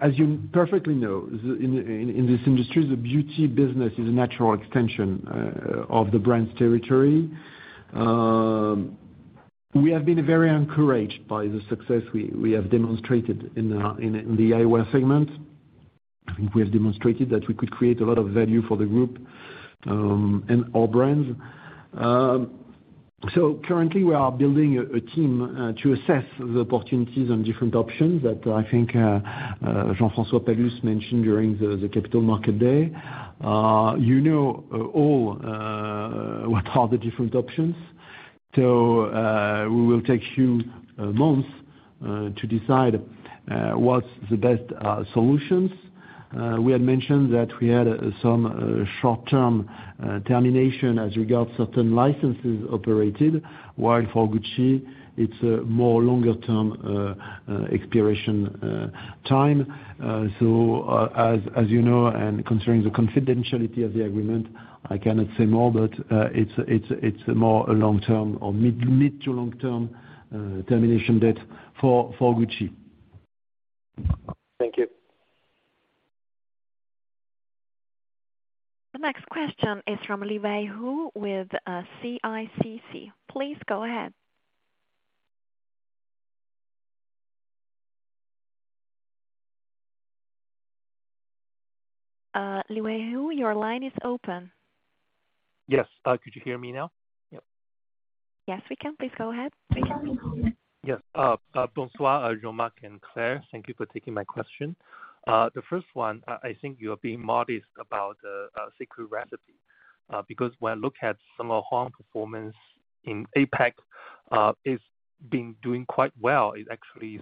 B: as you perfectly know, in this industry, the beauty business is a natural extension of the brand's territory. We have been very encouraged by the success we have demonstrated in the eyewear segment. I think we have demonstrated that we could create a lot of value for the group and our brands. Currently we are building a team to assess the opportunities and different options that I think Jean-François Palus mentioned during the Capital Market Day. You know all what are the different options. We will take few months to decide what's the best solutions. We had mentioned that we had some short-term termination as regards certain licenses operated, while for Gucci it's a more longer-term expiration time. As you know, and concerning the confidentiality of the agreement, I cannot say more, but it's more a long-term or mid to long-term termination date for Gucci.
K: Thank you.
A: The next question is from Liwei Hu with CICC. Please go ahead. Wei Li, your line is open.
L: Yes. Could you hear me now? Yep.
A: Yes, we can. Please go ahead. We can hear you.
L: Yes. Bonsoir, Jean-Marc and Claire. Thank you for taking my question. The first one, I think you are being modest about secret recipe, because when I look at strong performance in APAC, it's been doing quite well. It's actually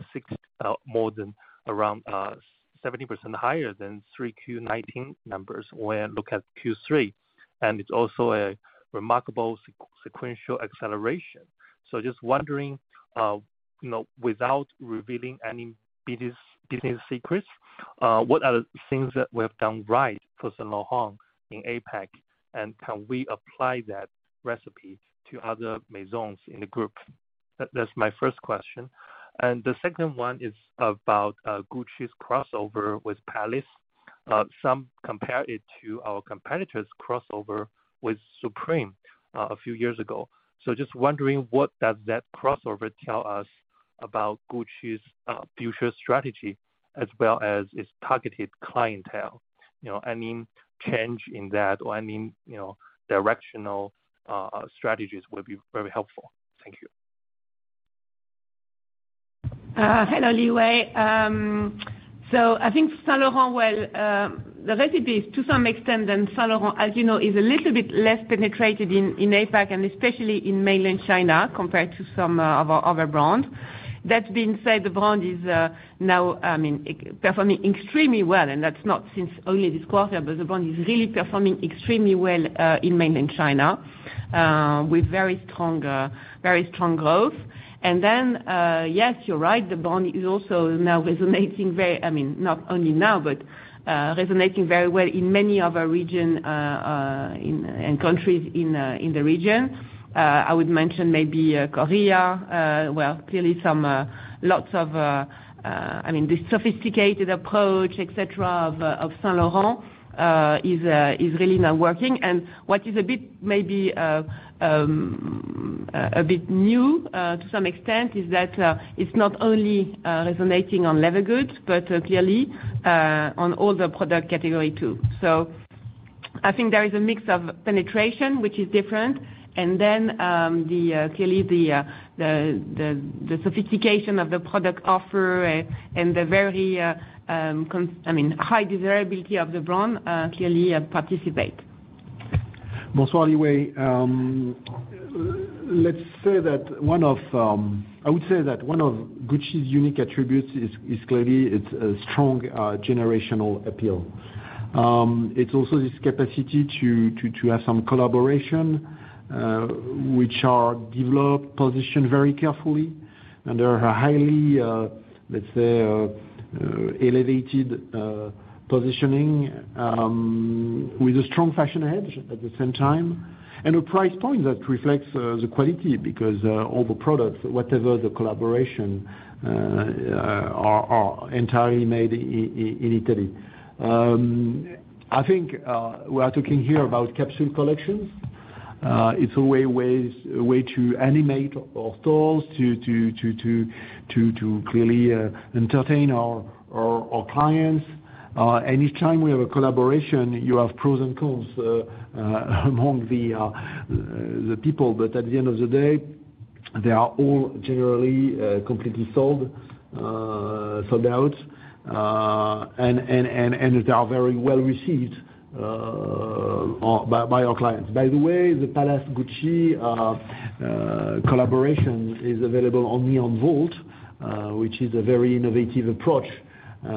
L: 60% more than around 70% higher than 3Q 2019 numbers when looking at Q3. It's also a remarkable sequential acceleration. Just wondering, you know, without revealing any business secrets, what are the things that we have done right for Saint Laurent in APAC, and can we apply that recipe to other Maisons in the group? That's my first question. The second one is about Gucci's crossover with Palace. Some compare it to our competitor's crossover with Supreme, a few years ago. Just wondering, what does that crossover tell us about Gucci's future strategy as well as its targeted clientele? You know, any change in that or any, you know, directional strategies would be very helpful. Thank you.
F: Hello, Wei Li. So I think Saint Laurent, well, the recipe is to some extent, and Saint Laurent, as you know, is a little bit less penetrated in APAC, and especially in mainland China, compared to some of our other brands. That being said, the brand is now it's performing extremely well, and that's not since only this quarter, but the brand is really performing extremely well in mainland China with very strong growth. Yes, you're right, the brand is also now resonating very well. I mean, not only now, but resonating very well in many other regions and countries in the region. I would mention maybe Korea. Well, clearly, I mean, the sophisticated approach, et cetera, of Saint Laurent is really now working. What is a bit, maybe, a bit new, to some extent is that it's not only resonating on leather goods, but clearly on all the product category too. I think there is a mix of penetration which is different, and then clearly the sophistication of the product offer and the very, I mean, high desirability of the brand clearly participate.
B: Bonsoir, Wei Li. Let's say that one of Gucci's unique attributes is clearly it's a strong generational appeal. It's also this capacity to have some collaboration which are developed, positioned very carefully, and they are highly, let's say, elevated positioning with a strong fashion edge at the same time. A price point that reflects the quality because all the products, whatever the collaboration, are entirely made in Italy. I think we are talking here about capsule collections. It's a way to animate our stores to clearly entertain our clients. Anytime we have a collaboration, you have pros and cons among the people. At the end of the day, they are all generally completely sold out. They are very well received by our clients. By the way, the Palace Gucci collaboration is available only on Vault, which is a very innovative approach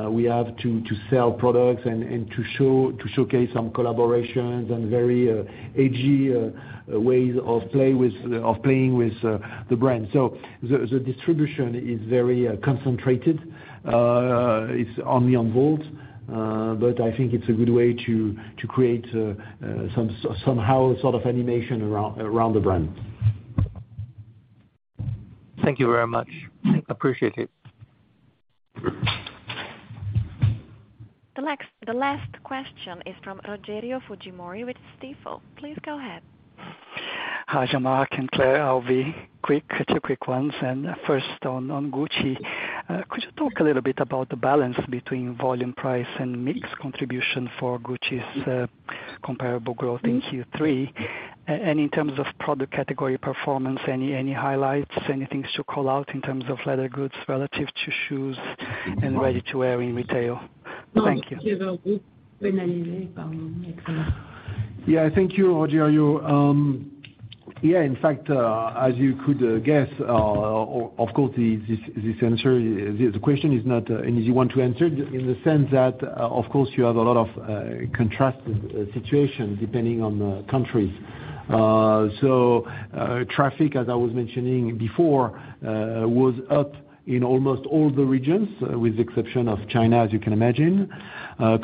B: we have to sell products and to showcase some collaborations and very edgy ways of playing with the brand. The distribution is very concentrated. It's only on Vault. I think it's a good way to create some sort of animation around the brand.
L: Thank you very much. Appreciate it.
A: The last question is from Rogerio Fujimori with Stifel. Please go ahead.
M: Hi, Jean-Marc and Claire. I'll be quick. Two quick ones. First on Gucci, could you talk a little bit about the balance between volume, price, and mix contribution for Gucci's comparable growth in Q3? In terms of product category performance, any highlights, anything to call out in terms of leather goods relative to shoes and ready-to-wear in retail? Thank you.
B: Yeah, thank you, Rogerio. In fact, as you could guess, of course the answer to the question is not an easy one to answer in the sense that, of course you have a lot of contrasting situations depending on the countries. Traffic, as I was mentioning before, was up in almost all the regions, with the exception of China, as you can imagine.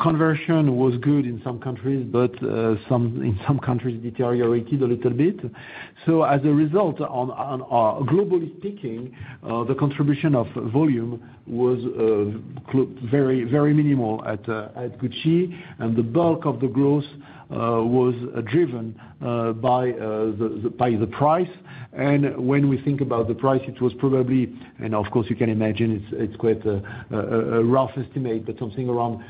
B: Conversion was good in some countries, but in some countries deteriorated a little bit. As a result, globally speaking, the contribution of volume was very, very minimal at Gucci, and the bulk of the growth was driven by the price. When we think about the price, it was probably, and of course you can imagine it's quite a rough estimate, but something around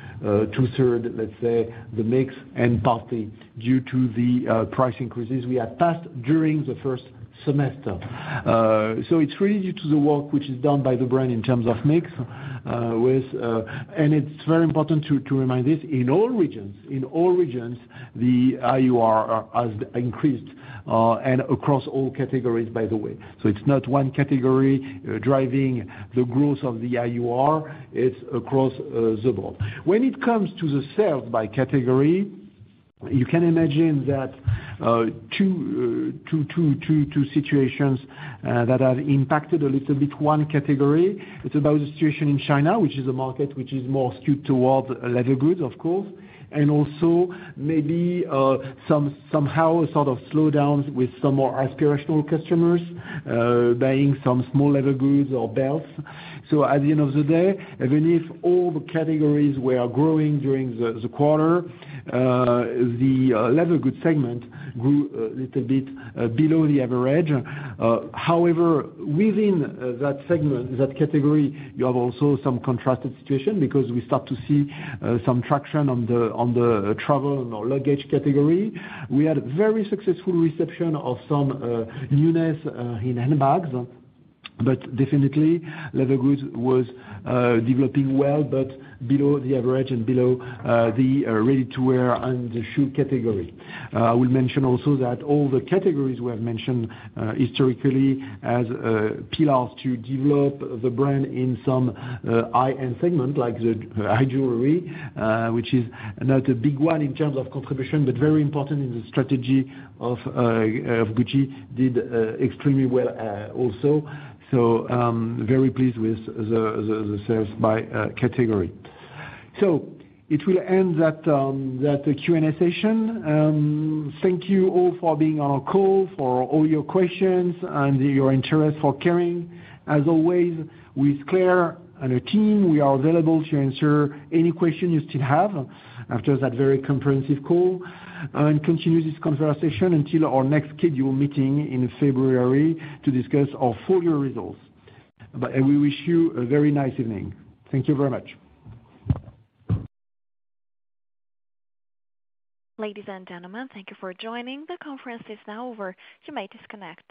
B: two-thirds, let's say, the mix and partly due to the price increases we had passed during the first semester. It's really due to the work which is done by the brand in terms of mix, and it's very important to remind this, in all regions, the AUR has increased. And across all categories, by the way. It's not one category driving the growth of the AUR. It's across the board. When it comes to the sales by category. You can imagine that two situations that have impacted a little bit one category. It's about the situation in China, which is a market which is more skewed towards leather goods, of course, and also maybe somehow a sort of slowdown with some more aspirational customers buying some small leather goods or belts. At the end of the day, even if all the categories were growing during the quarter, the leather goods segment grew a little bit below the average. However, within that segment, that category, you have also some contrasted situation because we start to see some traction on the travel or luggage category. We had very successful reception of some newness in handbags, but definitely leather goods was developing well, but below the average and below the ready-to-wear and the shoe category. I will mention also that all the categories we have mentioned historically as pillars to develop the brand in some high-end segment, like the high jewelry, which is not a big one in terms of contribution, but very important in the strategy of Gucci. Gucci did extremely well also. Very pleased with the sales by category. It will end that Q&A session. Thank you all for being on our call, for all your questions and your interest for Kering. As always, with Claire and her team, we are available to answer any question you still have after that very comprehensive call, and continue this conversation until our next scheduled meeting in February to discuss our full year results. I will wish you a very nice evening. Thank you very much.
A: Ladies and gentlemen, thank you for joining. The conference is now over. You may disconnect.